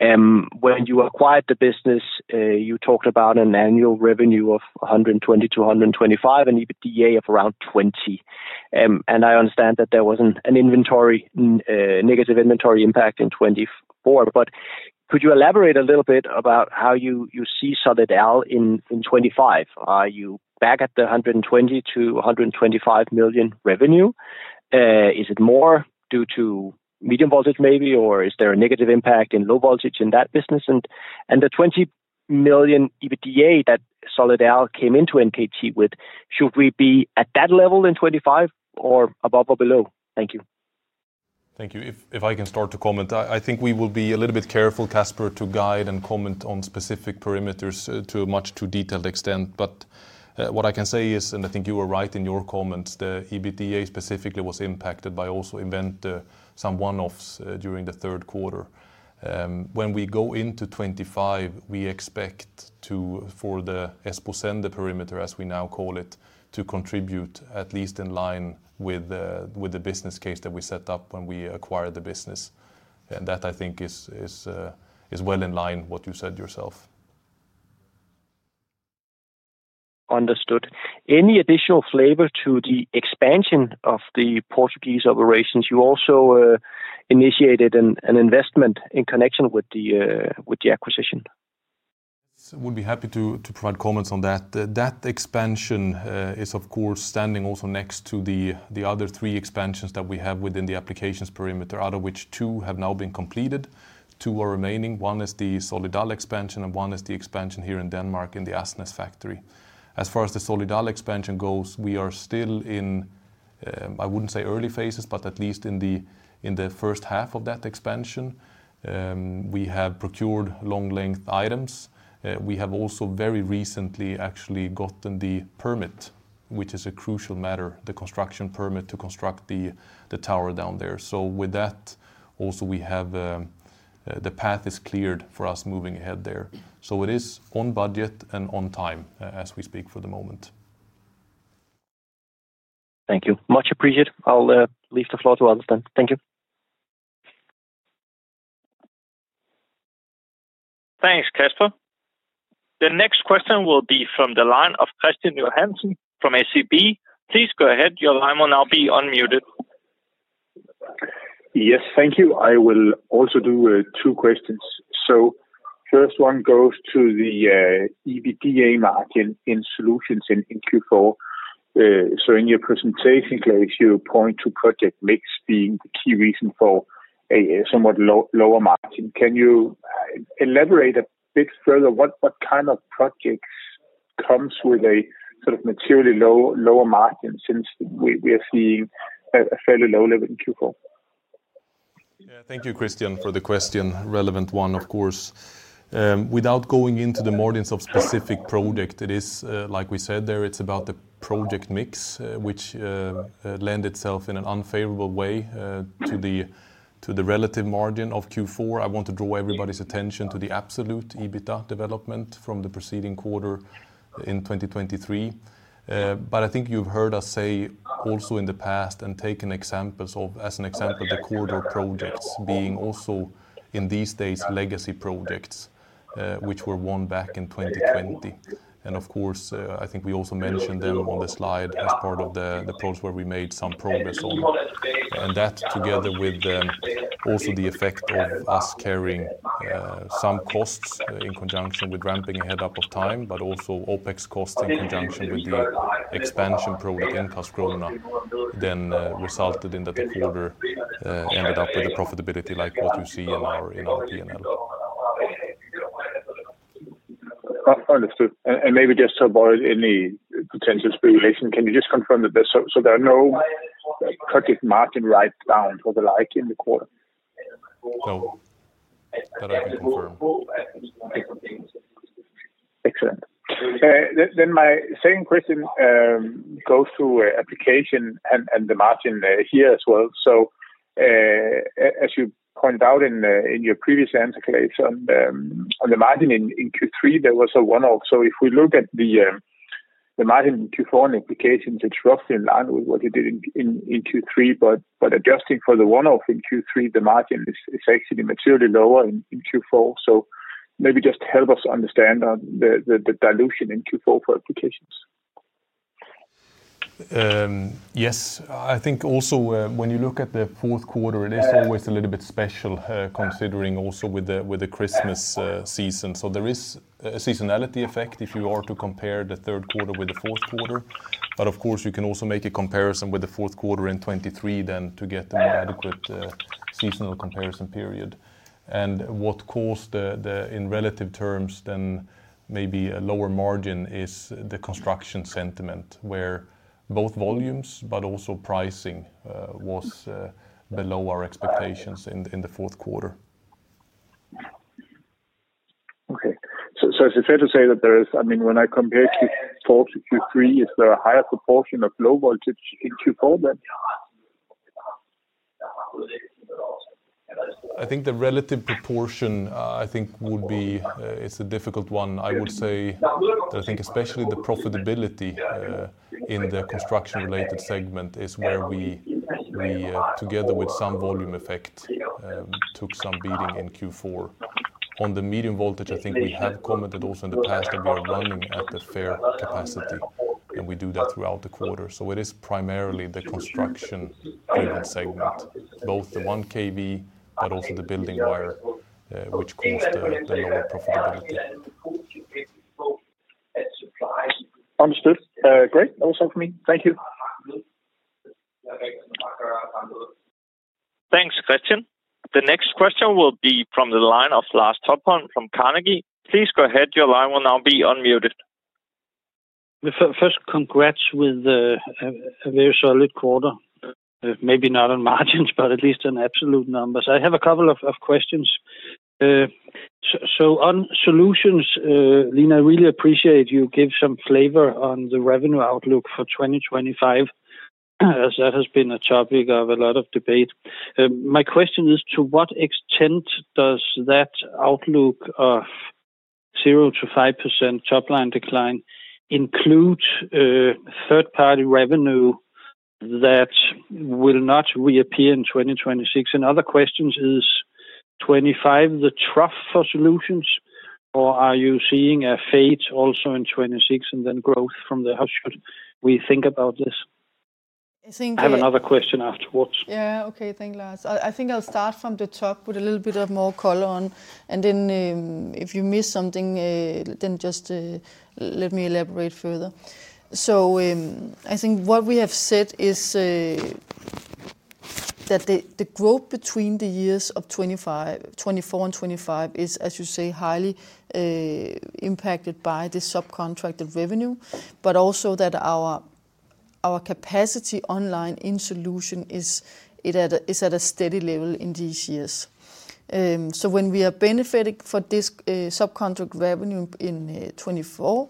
When you acquired the business, you talked about an annual revenue of 120 to 125 and EBITDA of around 20. And I understand that there was a negative inventory impact in 2024. But could you elaborate a little bit about how you see Solidal in 2025? Are you back at the 120 to 125 million revenue? Is it more due to medium voltage maybe, or is there a negative impact in low voltage in that business? And the 20 million EBITDA that Solidal came into NKT with, should we be at that level in 2025 or above or below? Thank you. Thank you. If I can start to comment, I think we will be a little bit careful, Kasper, to guide and comment on specific perimeters to a much too detailed extent. But what I can say is, and I think you were right in your comments, the EBITDA specifically was impacted by also even some one-offs during the third quarter. When we go into 2025, we expect for the Esposende perimeter, as we now call it, to contribute at least in line with the business case that we set up when we acquired the business. That, I think, is well in line with what you said yourself. Understood. Any additional flavor to the expansion of the Portuguese operations? You also initiated an investment in connection with the acquisition. I would be happy to provide comments on that. That expansion is, of course, standing also next to the other three expansions that we have within the Applications perimeter, out of which two have now been completed. Two are remaining. One is the Solidal expansion, and one is the expansion here in Denmark in the Asnæs factory. As far as the Solidal expansion goes, we are still in, I wouldn't say early phases, but at least in the first half of that expansion. We have procured long-length items. We have also very recently actually gotten the permit, which is a crucial matter, the construction permit to construct the tower down there. So with that, also we have the path is cleared for us moving ahead there. So it is on budget and on time as we speak for the moment. Thank you. Much appreciated. I'll leave the floor to others then. Thank you. Thanks, Kasper. The next question will be from the line of Christian Johansen from ABG Sundal Collier. Please go ahead. Your line will now be unmuted. Yes, thank you. I will also do two questions. So first one goes to the EBITDA margin in Solutions in Q4. So in your presentation, Claes, you point to project mix being the key reason for a somewhat lower margin. Can you elaborate a bit further? What kind of projects come with a sort of materially lower margin since we are seeing a fairly low level in Q4? Yeah, thank you, Christian, for the question. Relevant one, of course. Without going into the minutiae of specific project, it is, like we said there, it's about the project mix, which lends itself in an unfavorable way to the relative margin of Q4. I want to draw everybody's attention to the absolute EBITDA development from the preceding quarter in 2023, but I think you've heard us say also in the past and taken examples of, as an example, the corridor projects being also in these days legacy projects, which were won back in 2020, and of course, I think we also mentioned them on the slide as part of the projects where we made some progress on. And that together with also the effect of us carrying some costs in conjunction with ramping ahead of time, but also OPEX costs in conjunction with the expansion project in Karlskrona then resulted in that the quarter ended up with a profitability like what you see in our P&L. Understood. And maybe just about any potential speculation, can you just confirm that there are no project margin write-downs or the like in the quarter? No, that I can confirm. Excellent. Then my second question goes to Applications and the margin here as well. So as you pointed out in your previous answer, Claes, on the margin in Q3, there was a one-off. So if we look at the margin in Q4 and Applications, it's roughly in line with what you did in Q3. But adjusting for the one-off in Q3, the margin is actually materially lower in Q4. So maybe just help us understand the dilution in Q4 for Applications? Yes. I think also when you look at the fourth quarter, it is always a little bit special considering also with the Christmas season. So there is a seasonality effect if you are to compare the third quarter with the fourth quarter. But of course, you can also make a comparison with the fourth quarter in 2023 then to get a more adequate seasonal comparison period. And what caused the, in relative terms then, maybe a lower margin is the construction segment, where both volumes but also pricing was below our expectations in th e fourth quarter. Okay. So is it fair to say that there is, I mean, when I compare Q4 to Q3, is there a higher proportion of low voltage in Q4 then? I think the relative proportion would be a difficult one. I would say that I think especially the profitability in the construction-related segment is where we, together with some volume effect, took some beating in Q4. On the medium voltage, I think we have commented also in the past that we are running at a fair capacity, and we do that throughout the quarter. So it is primarily the construction-related segment, both the 1 kV but also the building wire, which caused the lower profitability. Understood. Great. That was all for me. Thank you. Thanks, Christian. The next question will be from the line of Lars Topholm from Carnegie. Please go ahead. Your line will now be unmuted. First, congrats with the very solid quarter. Maybe not on margins, but at least on absolute numbers. I have a couple of questions. So on Solutions, Line, I really appreciate you give some flavor on the revenue outlook for 2025, as that has been a topic of a lot of debate. My question is, to what extent does that outlook of 0-5% top-line decline include third-party revenue that will not reappear in 2026? And other questions is, 2025, the trough for Solutions, or are you seeing a fade also in 2026 and then growth from there? How should we think about this? I have another question afterwards. Yeah, okay. Thank you, Lars. I think I'll start from the top with a little bit of more color on. And then if you miss something, then just let me elaborate further. I think what we have said is that the growth between the years of 2024 and 2025 is, as you say, highly impacted by the subcontracted revenue, but also that our capacity utilization in Solutions is at a steady level in these years. When we are benefiting from this subcontracted revenue in 2024,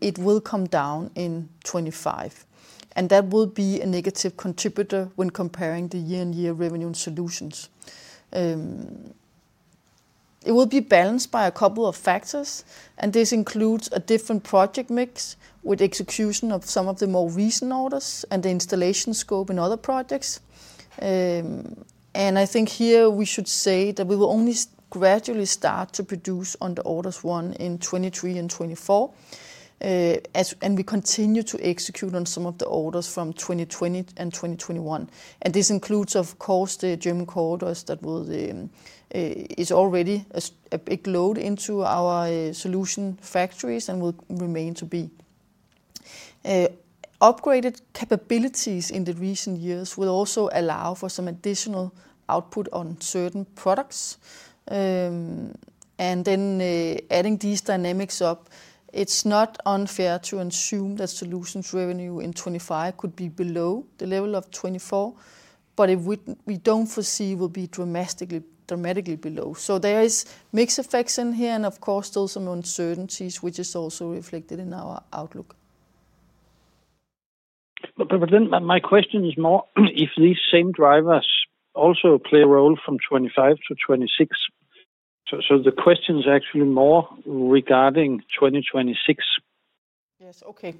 it will come down in 2025. That will be a negative contributor when comparing the year-on-year revenue in Solutions. It will be balanced by a couple of factors, and this includes a different project mix with execution of some of the more recent orders and the installation scope in other projects. I think here we should say that we will only gradually start to produce under orders won in 2023 and 2024, and we continue to execute on some of the orders from 2020 and 2021. And this includes, of course, the German corridors that is already a big load into our solution factories and will remain to be. Upgraded capabilities in the recent years will also allow for some additional output on certain products. And then adding these dynamics up, it's not unfair to assume that Solutions revenue in 2025 could be below the level of 2024, but we don't foresee it will be dramatically below. So there is mixed effects in here and, of course, still some uncertainties, which is also reflected in our outlook. My question is more if these same drivers also play a role from 2025 to 2026. So the question is actually more regarding 2026. Yes, okay.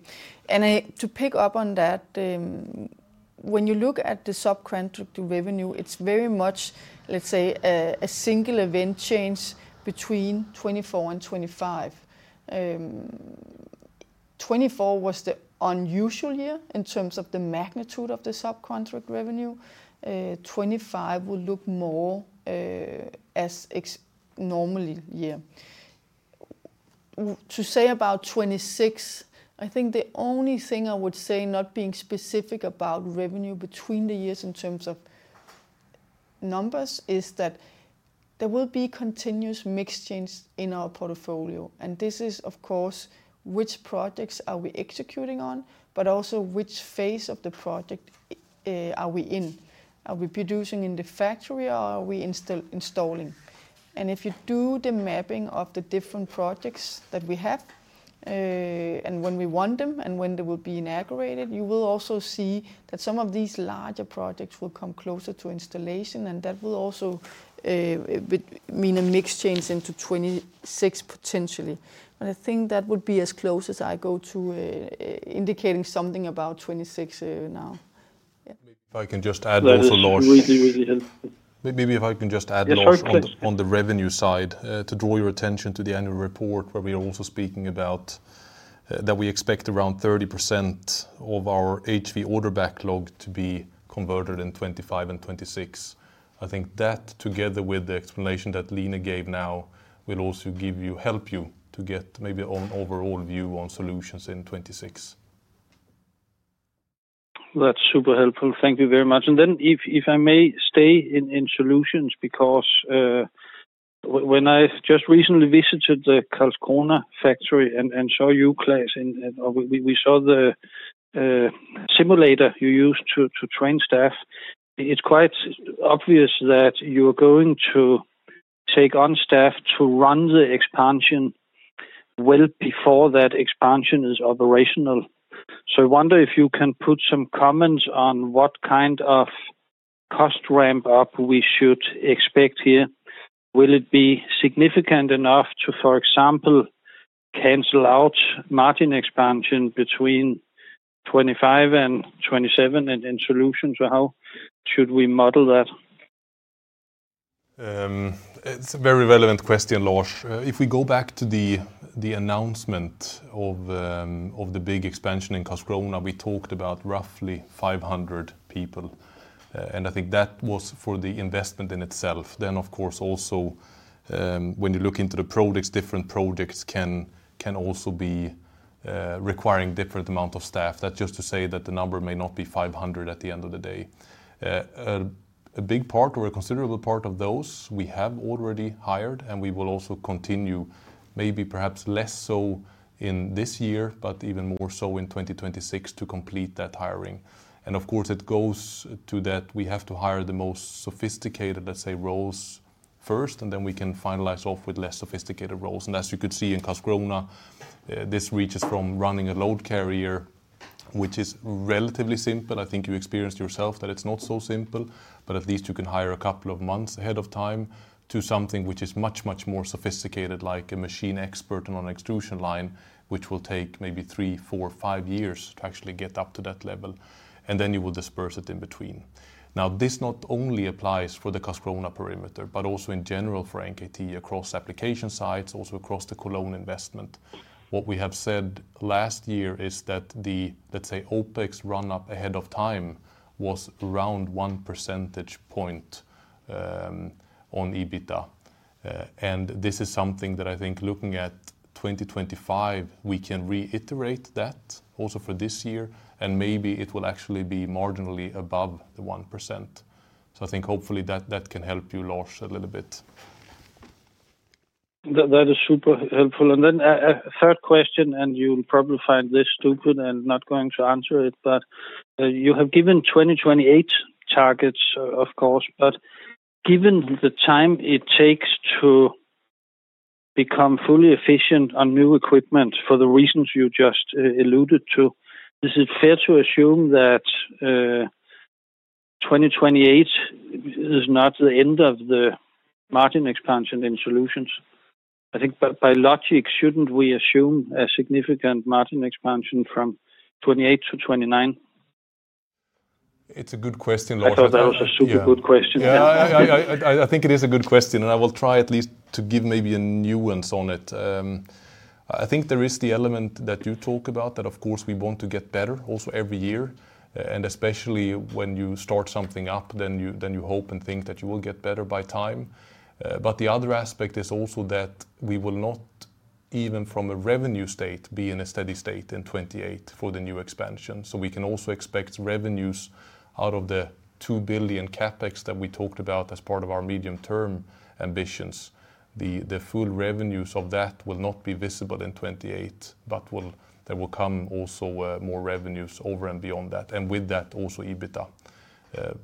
And to pick up on that, when you look at the subcontract revenue, it's very much, let's say, a single event change between 2024 and 2025. 2024 was the unusual year in terms of the magnitude of the subcontract revenue. 2025 will look more as a normal year. To say about 2026, I think the only thing I would say, not being specific about revenue between the years in terms of numbers, is that there will be continuous mixed change in our portfolio, and this is, of course, which projects are we executing on, but also which phase of the project are we in? Are we producing in the factory or are we installing? And if you do the mapping of the different projects that we have, and when we want them and when they will be inaugurated, you will also see that some of these larger projects will come closer to installation, and that will also mean a mixed change into 2026 potentially. But I think that would be as close as I go to indicating something about 2026 now. Maybe if I can just add, Lars, on the revenue side, to draw your attention to the annual report where we are also speaking about that we expect around 30% of our HV order backlog to be converted in 2025 and 2026. I think that together with the explanation that Line gave now will also help you to get maybe an overall view on Solutions in 2026. That's super helpful. Thank you very much. Then if I may stay in Solutions, because when I just recently visited the Karlskrona factory and saw you, Claes, we saw the simulator you use to train staff. It's quite obvious that you are going to take on staff to run the expansion well before that expansion is operational. So I wonder if you can put some comments on what kind of cost ramp-up we should expect here. Will it be significant enough to, for example, cancel out margin expansion between 2025 and 2027 in Solutions? How should we model that? It's a very relevant question, Lars. If we go back to the announcement of the big expansion in Karlskrona, we talked about roughly 500 people. And I think that was for the investment in itself. Then, of course, also when you look into the projects, different projects can also be requiring a different amount of staff. That's just to say that the number may not be 500 at the end of the day. A big part or a considerable part of those we have already hired, and we will also continue maybe perhaps less so in this year, but even more so in 2026 to complete that hiring. Of course, it goes to that we have to hire the most sophisticated, let's say, roles first, and then we can finalize off with less sophisticated roles. As you could see in Karlskrona, this reaches from running a load carrier, which is relatively simple. I think you experienced yourself that it's not so simple, but at least you can hire a couple of months ahead of time to something which is much, much more sophisticated, like a machine expert on an extrusion line, which will take maybe three, four, five years to actually get up to that level. Then you will disperse it in between. Now, this not only applies for the Karlskrona perimeter, but also in general for NKT across application sites, also across the Cologne investment. What we have said last year is that the, let's say, OpEx run-up ahead of time was around one percentage point on EBITDA. And this is something that I think looking at 2025, we can reiterate that also for this year, and maybe it will actually be marginally above the 1%. So I think hopefully that can help you, Lars, a little bit. That is super helpful. And then a third question, and you'll probably find this stupid and not going to answer it, but you have given 2028 targets, of course, but given the time it takes to become fully efficient on new equipment for the reasons you just alluded to, is it fair to assume that 2028 is not the end of the margin expansion in Solutions? I think by logic, shouldn't we assume a significant margin expansion from 2028 to 2029? It's a good question, Lars. That was a super good question. I think it is a good question, and I will try at least to give maybe a nuance on it. I think there is the element that you talk about that, of course, we want to get better also every year, and especially when you start something up, then you hope and think that you will get better by time, but the other aspect is also that we will not, even from a revenue state, be in a steady state in 2028 for the new expansion, so we can also expect revenues out of the 2 billion CapEx that we talked about as part of our medium-term ambitions. The full revenues of that will not be visible in 2028, but there will come also more revenues over and beyond that. And with that, also EBITDA,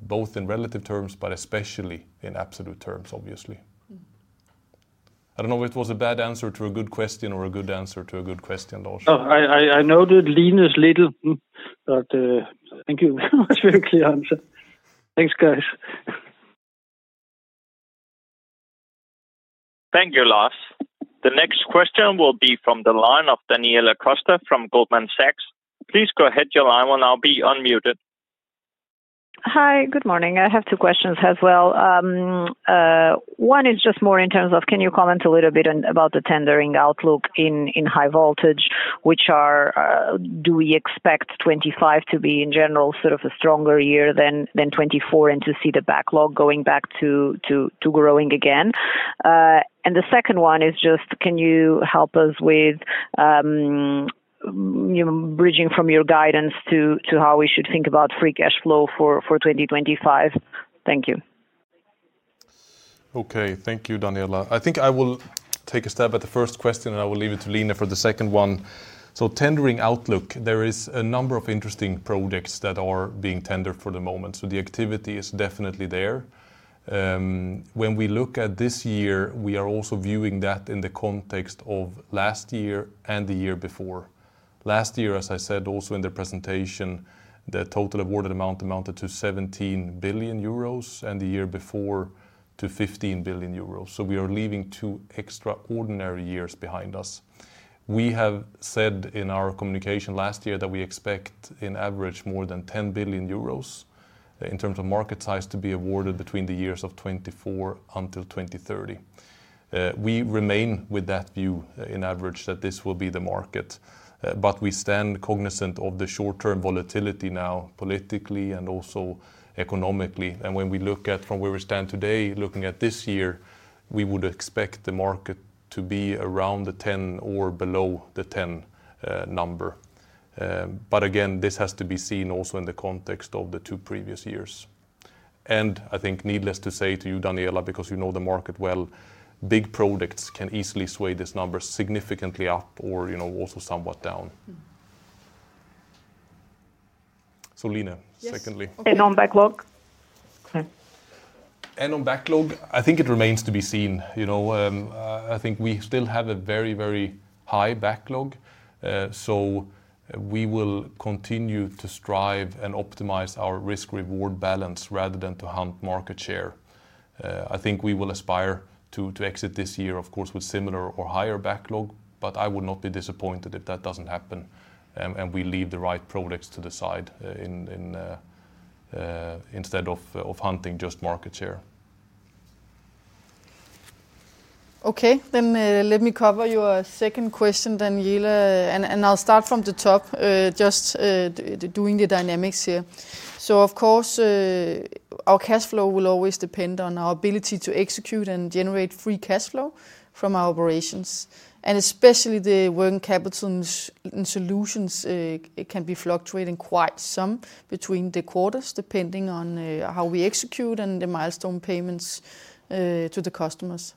both in relative terms, but especially in absolute terms, obviously. I don't know if it was a bad answer to a good question or a good answer to a good question, Lars. I noted Line's little, but thank you very much for your clear answer. Thanks, guys. Thank you, Lars. The next question will be from the line of Daniela Costa from Goldman Sachs. Please go ahead, your line, and I'll be unmuted. Hi, good morning. I have two questions as well. One is just more in terms of, can you comment a little bit about the tendering outlook in high voltage, which are do we expect 2025 to be in general sort of a stronger year than 2024 and to see the backlog going back to growing again? And the second one is just, can you help us with bridging from your guidance to how we should think about free cash flow for 2025? Thank you. Okay, thank you, Daniela. I think I will take a stab at the first question, and I will leave it to Line for the second one. So tendering outlook, there is a number of interesting projects that are being tendered for the moment. So the activity is definitely there. When we look at this year, we are also viewing that in the context of last year and the year before. Last year, as I said also in the presentation, the total awarded amount amounted to 17 billion euros and the year before to 15 billion euros. So we are leaving two extraordinary years behind us. We have said in our communication last year that we expect in average more than 10 billion euros in terms of market size to be awarded between the years of 2024 until 2030. We remain with that view in average that this will be the market. But we stand cognizant of the short-term volatility now politically and also economically. When we look at from where we stand today, looking at this year, we would expect the market to be around the 10 or below the 10 number. But again, this has to be seen also in the context of the two previous years. I think needless to say to you, Daniela, because you know the market well, big projects can easily sway this number significantly up or also somewhat down. Line, secondly. And on backlog? And on backlog, I think it remains to be seen. I think we still have a very, very high backlog. So we will continue to strive and optimize our risk-reward balance rather than to hunt market share. I think we will aspire to exit this year, of course, with similar or higher backlog, but I would not be disappointed if that doesn't happen and we leave the right projects to the side instead of hunting just market share. Okay, then let me cover your second question, Daniela, and I'll start from the top, just doing the dynamics here. So of course, our cash flow will always depend on our ability to execute and generate free cash flow from our operations, and especially the working capital in Solutions can be fluctuating quite some between the quarters, depending on how we execute and the milestone payments to the customers.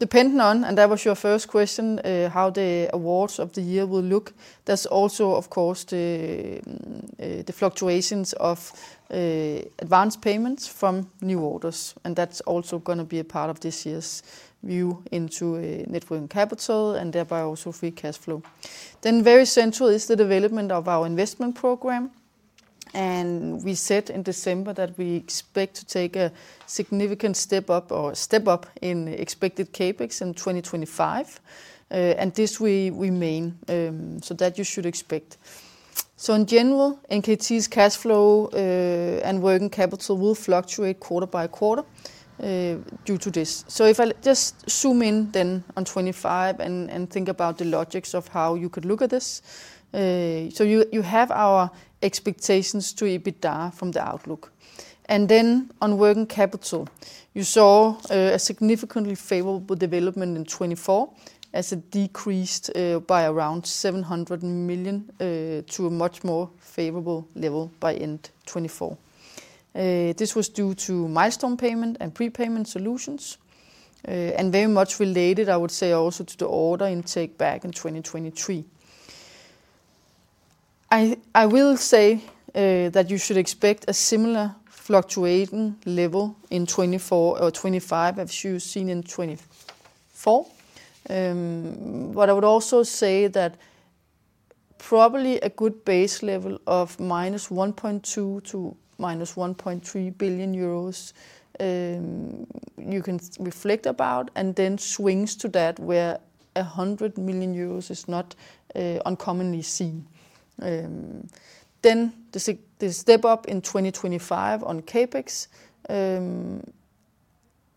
Depending on, and that was your first question, how the awards of the year will look, there's also, of course, the fluctuations of advance payments from new orders, and that's also going to be a part of this year's view into net working capital and thereby also free cash flow, then very central is the development of our investment program, and we said in December that we expect to take a significant step up in expected CapEx in 2025, and this will remain, so that you should expect, so in general, NKT's cash flow and working capital will fluctuate quarter by quarter due to this, so if I just zoom in then on 2025 and think about the logic of how you could look at this, so you have our expectations to EBITDA from the outlook. And then on working capital, you saw a significantly favorable development in 2024 as it decreased by around 700 million to a much more favorable level by end 2024. This was due to milestone payment and prepayment Solutions. And very much related, I would say, also to the order intake back in 2023. I will say that you should expect a similar fluctuating level in 2024 or 2025 as you've seen in 2024. But I would also say that probably a good base level of minus 1.2 to minus 1.3 billion euros you can reflect about and then swings to that where 100 million euros is not uncommonly seen. Then the step up in 2025 on CapEx.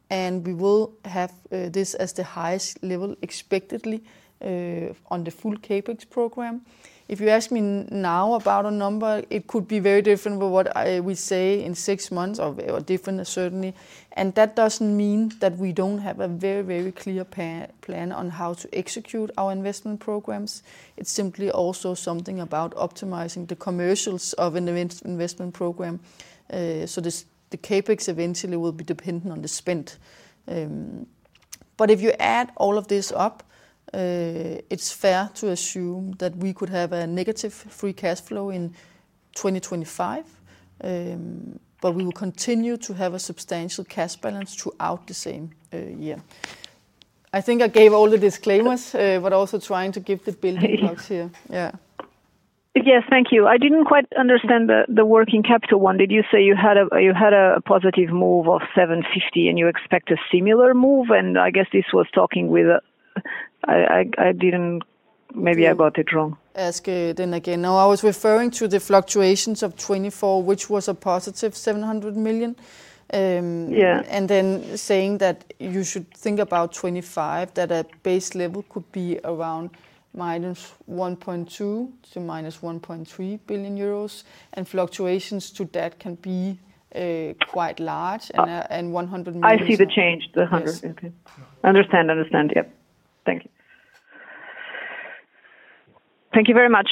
And we will have this as the highest level expectedly on the full CapEx program. If you ask me now about a number, it could be very different from what we say in six months or different, certainly. And that doesn't mean that we don't have a very, very clear plan on how to execute our investment programs. It's simply also something about optimizing the commercials of an investment program. So the CapEx eventually will be dependent on the spend. But if you add all of this up, it's fair to assume that we could have a negative free cash flow in 2025, but we will continue to have a substantial cash balance throughout the same year. I think I gave all the disclaimers, but also trying to give the building blocks here. Yeah. Yes, thank you. I didn't quite understand the working capital one. Did you say you had a positive move of 750 and you expect a similar move? No, I was referring to the fluctuations of 2024, which was a positive 700 million. And then saying that you should think about 2025, that a base level could be around -1.2 billion to -1.3 billion euros. And fluctuations to that can be quite large and 100 million. I see the change, the 100. Okay. Understand, understand. Yep. Thank you. Thank you very much.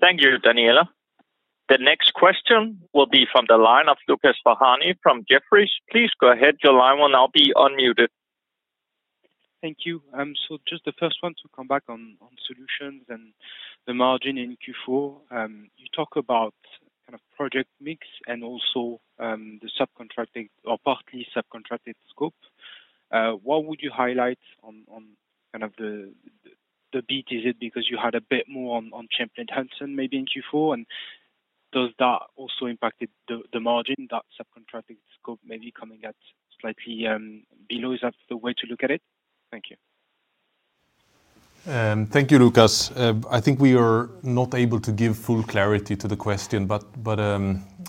Thank you, Daniela. The next question will be from the line of Lucas Ferhani from Jefferies. Please go ahead. Your line will now be unmuted. Thank you. So just the first one to come back on Solutions and the margin in Q4. You talk about kind of project mix and also the subcontracting or partly subcontracted scope. What would you highlight on kind of the beat? Is it because you had a bit more on Champlain Hudson maybe in Q4? And does that also impact the margin, that subcontracting scope maybe coming at slightly below? Is that the way to look at it? Thank you. Thank you, Lucas. I think we are not able to give full clarity to the question, but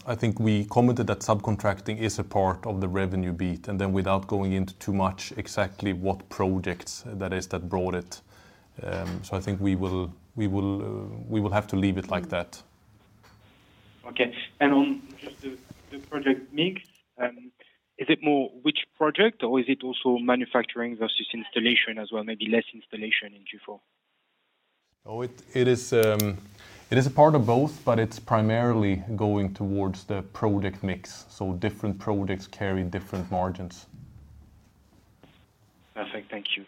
I think we commented that subcontracting is a part of the revenue beat. And then without going into too much exactly what projects that is that brought it. So I think we will have to leave it like that. Okay. And on just the project mix, is it more which project or is it also manufacturing versus installation as well, maybe less installation in Q4? Oh, it is a part of both, but it's primarily going towards the project mix. So different projects carry different margins. Perfect. Thank you.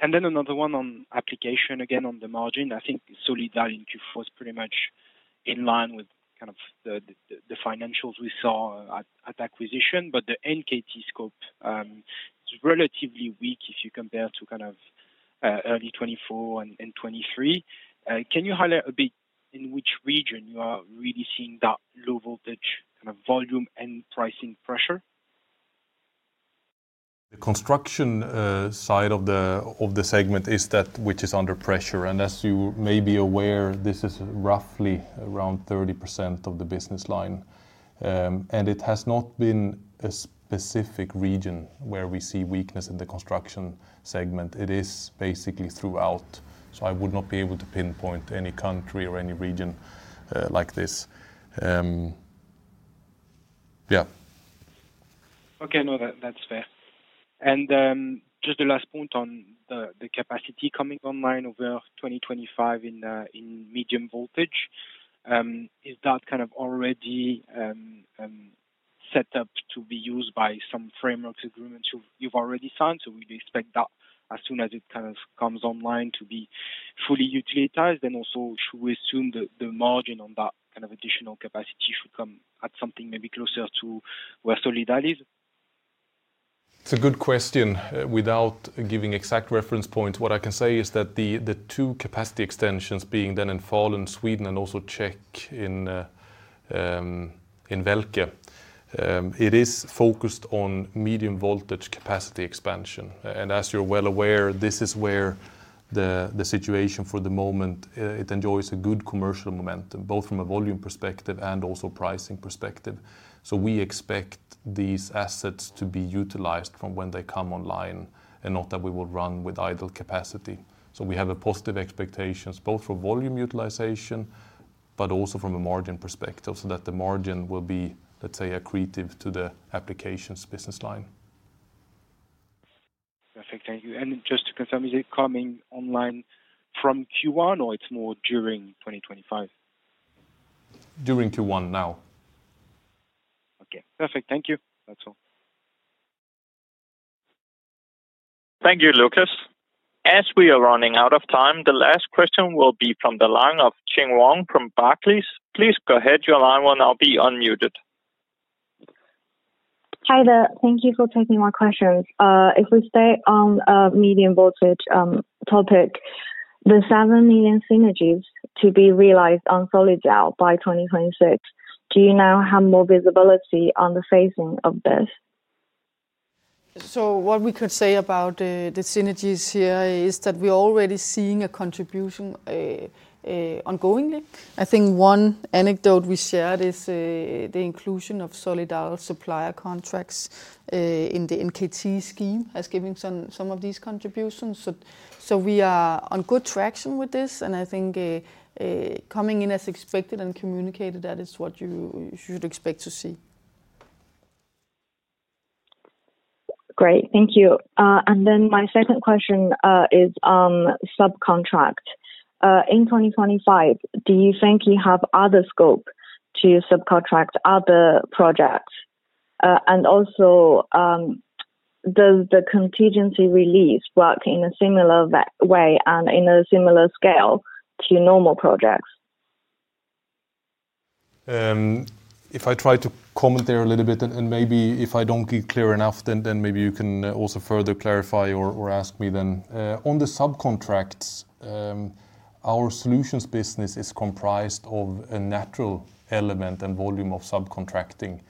And then another one on application again on the margin. I think Solidal in Q4 was pretty much in line with kind of the financials we saw at acquisition, but the NKT scope is relatively weak if you compare to kind of early 2024 and 2023. Can you highlight a bit in which region you are really seeing that low voltage kind of volume and pricing pressure? The construction side of the segment is that which is under pressure. And as you may be aware, this is roughly around 30% of the business line. And it has not been a specific region where we see weakness in the construction segment. It is basically throughout. So I would not be able to pinpoint any country or any region like this. Yeah. Okay, no, that's fair. And just the last point on the capacity coming online over 2025 in medium voltage. Is that kind of already set up to be used by some framework agreements you've already signed? So we expect that as soon as it kind of comes online to be fully utilized. And also should we assume the margin on that kind of additional capacity should come at something maybe closer to where Solidal is? It's a good question. Without giving exact reference points, what I can say is that the two capacity extensions being then in Falun, Sweden, and also Czech in Velké. It is focused on medium voltage capacity expansion. And as you're well aware, this is where the situation for the moment enjoys a good commercial momentum, both from a volume perspective and also pricing perspective. So we expect these assets to be utilized from when they come online and not that we will run with idle capacity. So we have positive expectations both for volume utilization, but also from a margin perspective so that the margin will be, let's say, accretive to the Applications business line. Perfect. Thank you. And just to confirm, is it coming online from Q1 or it's more during 2025? During Q1 now. Okay. Perfect. Thank you. That's all. Thank you, Lucas. As we are running out of time, the last question will be from the line of Ching-Yi Wang from Barclays. Please go ahead, your line will now be unmuted. Hi there. Thank you for taking my questions. If we stay on a medium voltage topic, the €7 million synergies to be realized on Solidal by 2026, do you now have more visibility on the phasing of this? So what we could say about the synergies here is that we're already seeing a contribution ongoing. I think one anecdote we shared is the inclusion of Solidal supplier contracts in the NKT scheme has given some of these contributions. So we are on good traction with this. And I think coming in as expected and communicated that is what you should expect to see. Great. Thank you. And then my second question is on subcontract. In 2025, do you think you have other scope to subcontract other projects? And also, does the contingency release work in a similar way and in a similar scale to normal projects? If I try to comment there a little bit, and maybe if I don't get clear enough, then maybe you can also further clarify or ask me then. On the subcontracts, our Solutions business is comprised of a natural element and volume of subcontracting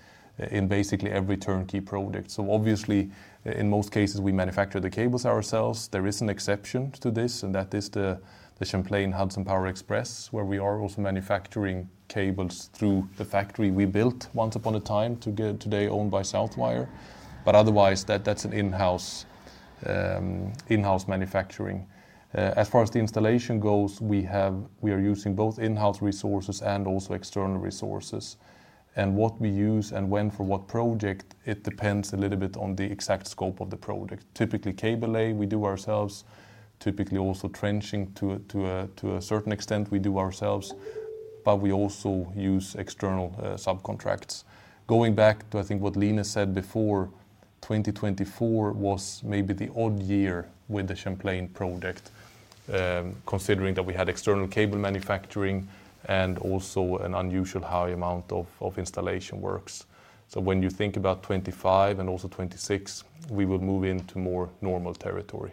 in basically every turnkey project. So obviously, in most cases, we manufacture the cables ourselves. There is an exception to this, and that is the Champlain Hudson Power Express, where we are also manufacturing cables through the factory we built once upon a time, today owned by Southwire. But otherwise, that's an in-house manufacturing. As far as the installation goes, we are using both in-house resources and also external resources. What we use and when for what project, it depends a little bit on the exact scope of the project. Typically, cable A we do ourselves. Typically, also trenching to a certain extent we do ourselves, but we also use external subcontracts. Going back to, I think, what Line said before, 2024 was maybe the odd year with the Champlain project, considering that we had external cable manufacturing and also an unusual high amount of installation works. So when you think about 2025 and also 2026, we will move into more normal territory.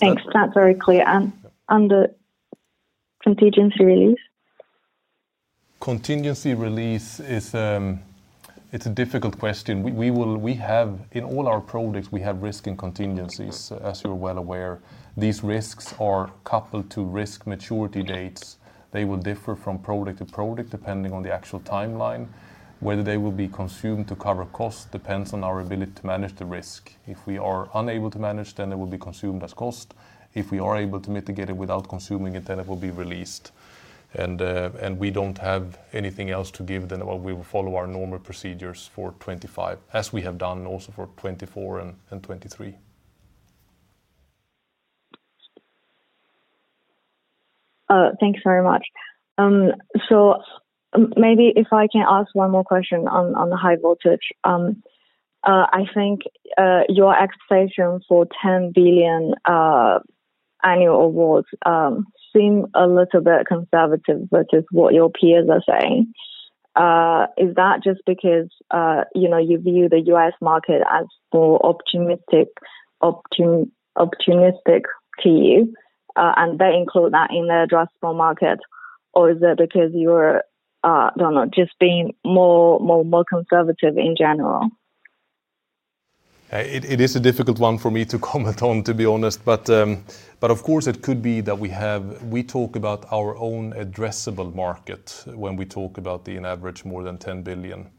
Thanks. That's very clear, and the contingency release? Contingency release is a difficult question. In all our projects, we have risk and contingencies, as you're well aware. These risks are coupled to risk maturity dates. They will differ from project to project depending on the actual timeline. Whether they will be consumed to cover cost depends on our ability to manage the risk. If we are unable to manage, then it will be consumed as cost. If we are able to mitigate it without consuming it, then it will be released, and we don't have anything else to give than we will follow our normal procedures for 2025, as we have done also for 2024 and 2023. Thanks very much, so maybe if I can ask one more question on the high voltage. I think your expectation for 10 billion annual awards seems a little bit conservative versus what your peers are saying. Is that just because you view the US market as more optimistic to you and they include that in their addressable market, or is that because you're, I don't know, just being more conservative in general? It is a difficult one for me to comment on, to be honest. But of course, it could be that we talk about our own addressable market when we talk about the addressable more than 10 billion.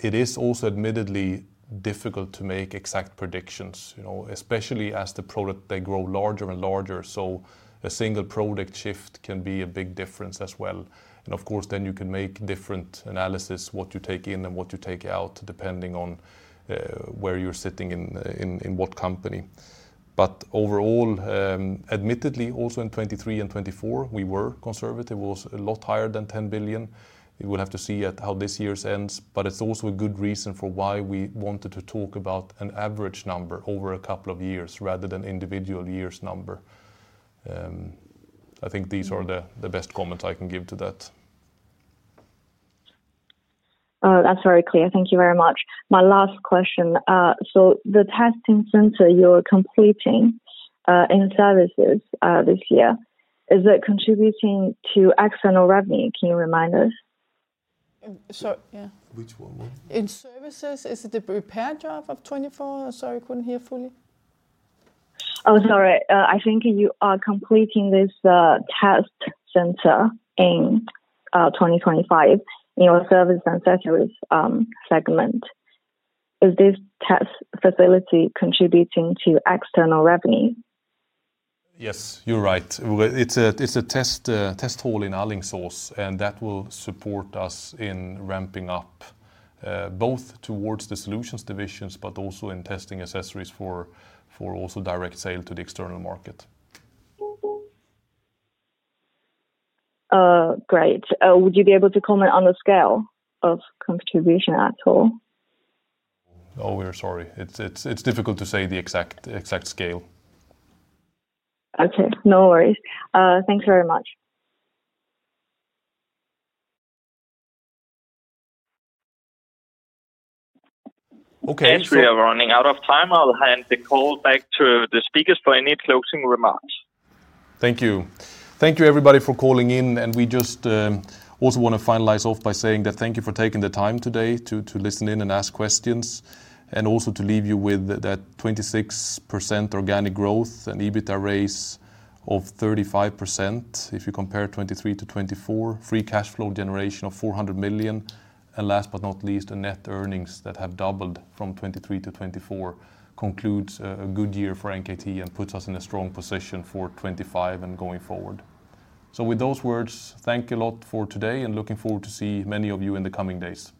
It is also admittedly difficult to make exact predictions, especially as the projects, they grow larger and larger. So a single project shift can be a big difference as well. And of course, then you can make different analysis, what you take in and what you take out, depending on where you're sitting in what company. But overall, admittedly, also in 2023 and 2024, we were conservative. It was a lot higher than €10 billion. We will have to see how this year ends, but it's also a good reason for why we wanted to talk about an average number over a couple of years rather than individual years number. I think these are the best comments I can give to that. That's very clear. Thank you very much. My last question. So the testing center you're completing in Services this year, is it contributing to external revenue? Can you remind us? Sorry, yeah. Which one was it? In Services, is it the repair job of 2024? Sorry, I couldn't hear fully. Oh, sorry. I think you are completing this test center in 2025 in your Service and sector segment. Is this test facility contributing to external revenue? Yes, you're right. It's a test hall in Alingsås, and that will support us in ramping up both towards the Solutions divisions, but also in testing accessories for also direct sale to the external market. Great. Would you be able to comment on the scale of contribution at all? Oh, we're sorry. It's difficult to say the exact scale. Okay. No worries. Thanks very much. Okay. Thanks for running out of time. I'll hand the call back to the speakers for any closing remarks. Thank you. Thank you, everybody, for calling in. And we just also want to finalize off by saying that thank you for taking the time today to listen in and ask questions, and also to leave you with that 26% organic growth and EBITDA raise of 35% if you compare 2023 to 2024, free cash flow generation of 400 million, and last but not least, the net earnings that have doubled from 2023 to 2024 concludes a good year for NKT and puts us in a strong position for 2025 and going forward. So with those words, thank you a lot for today, and looking forward to seeing many of you in the coming days.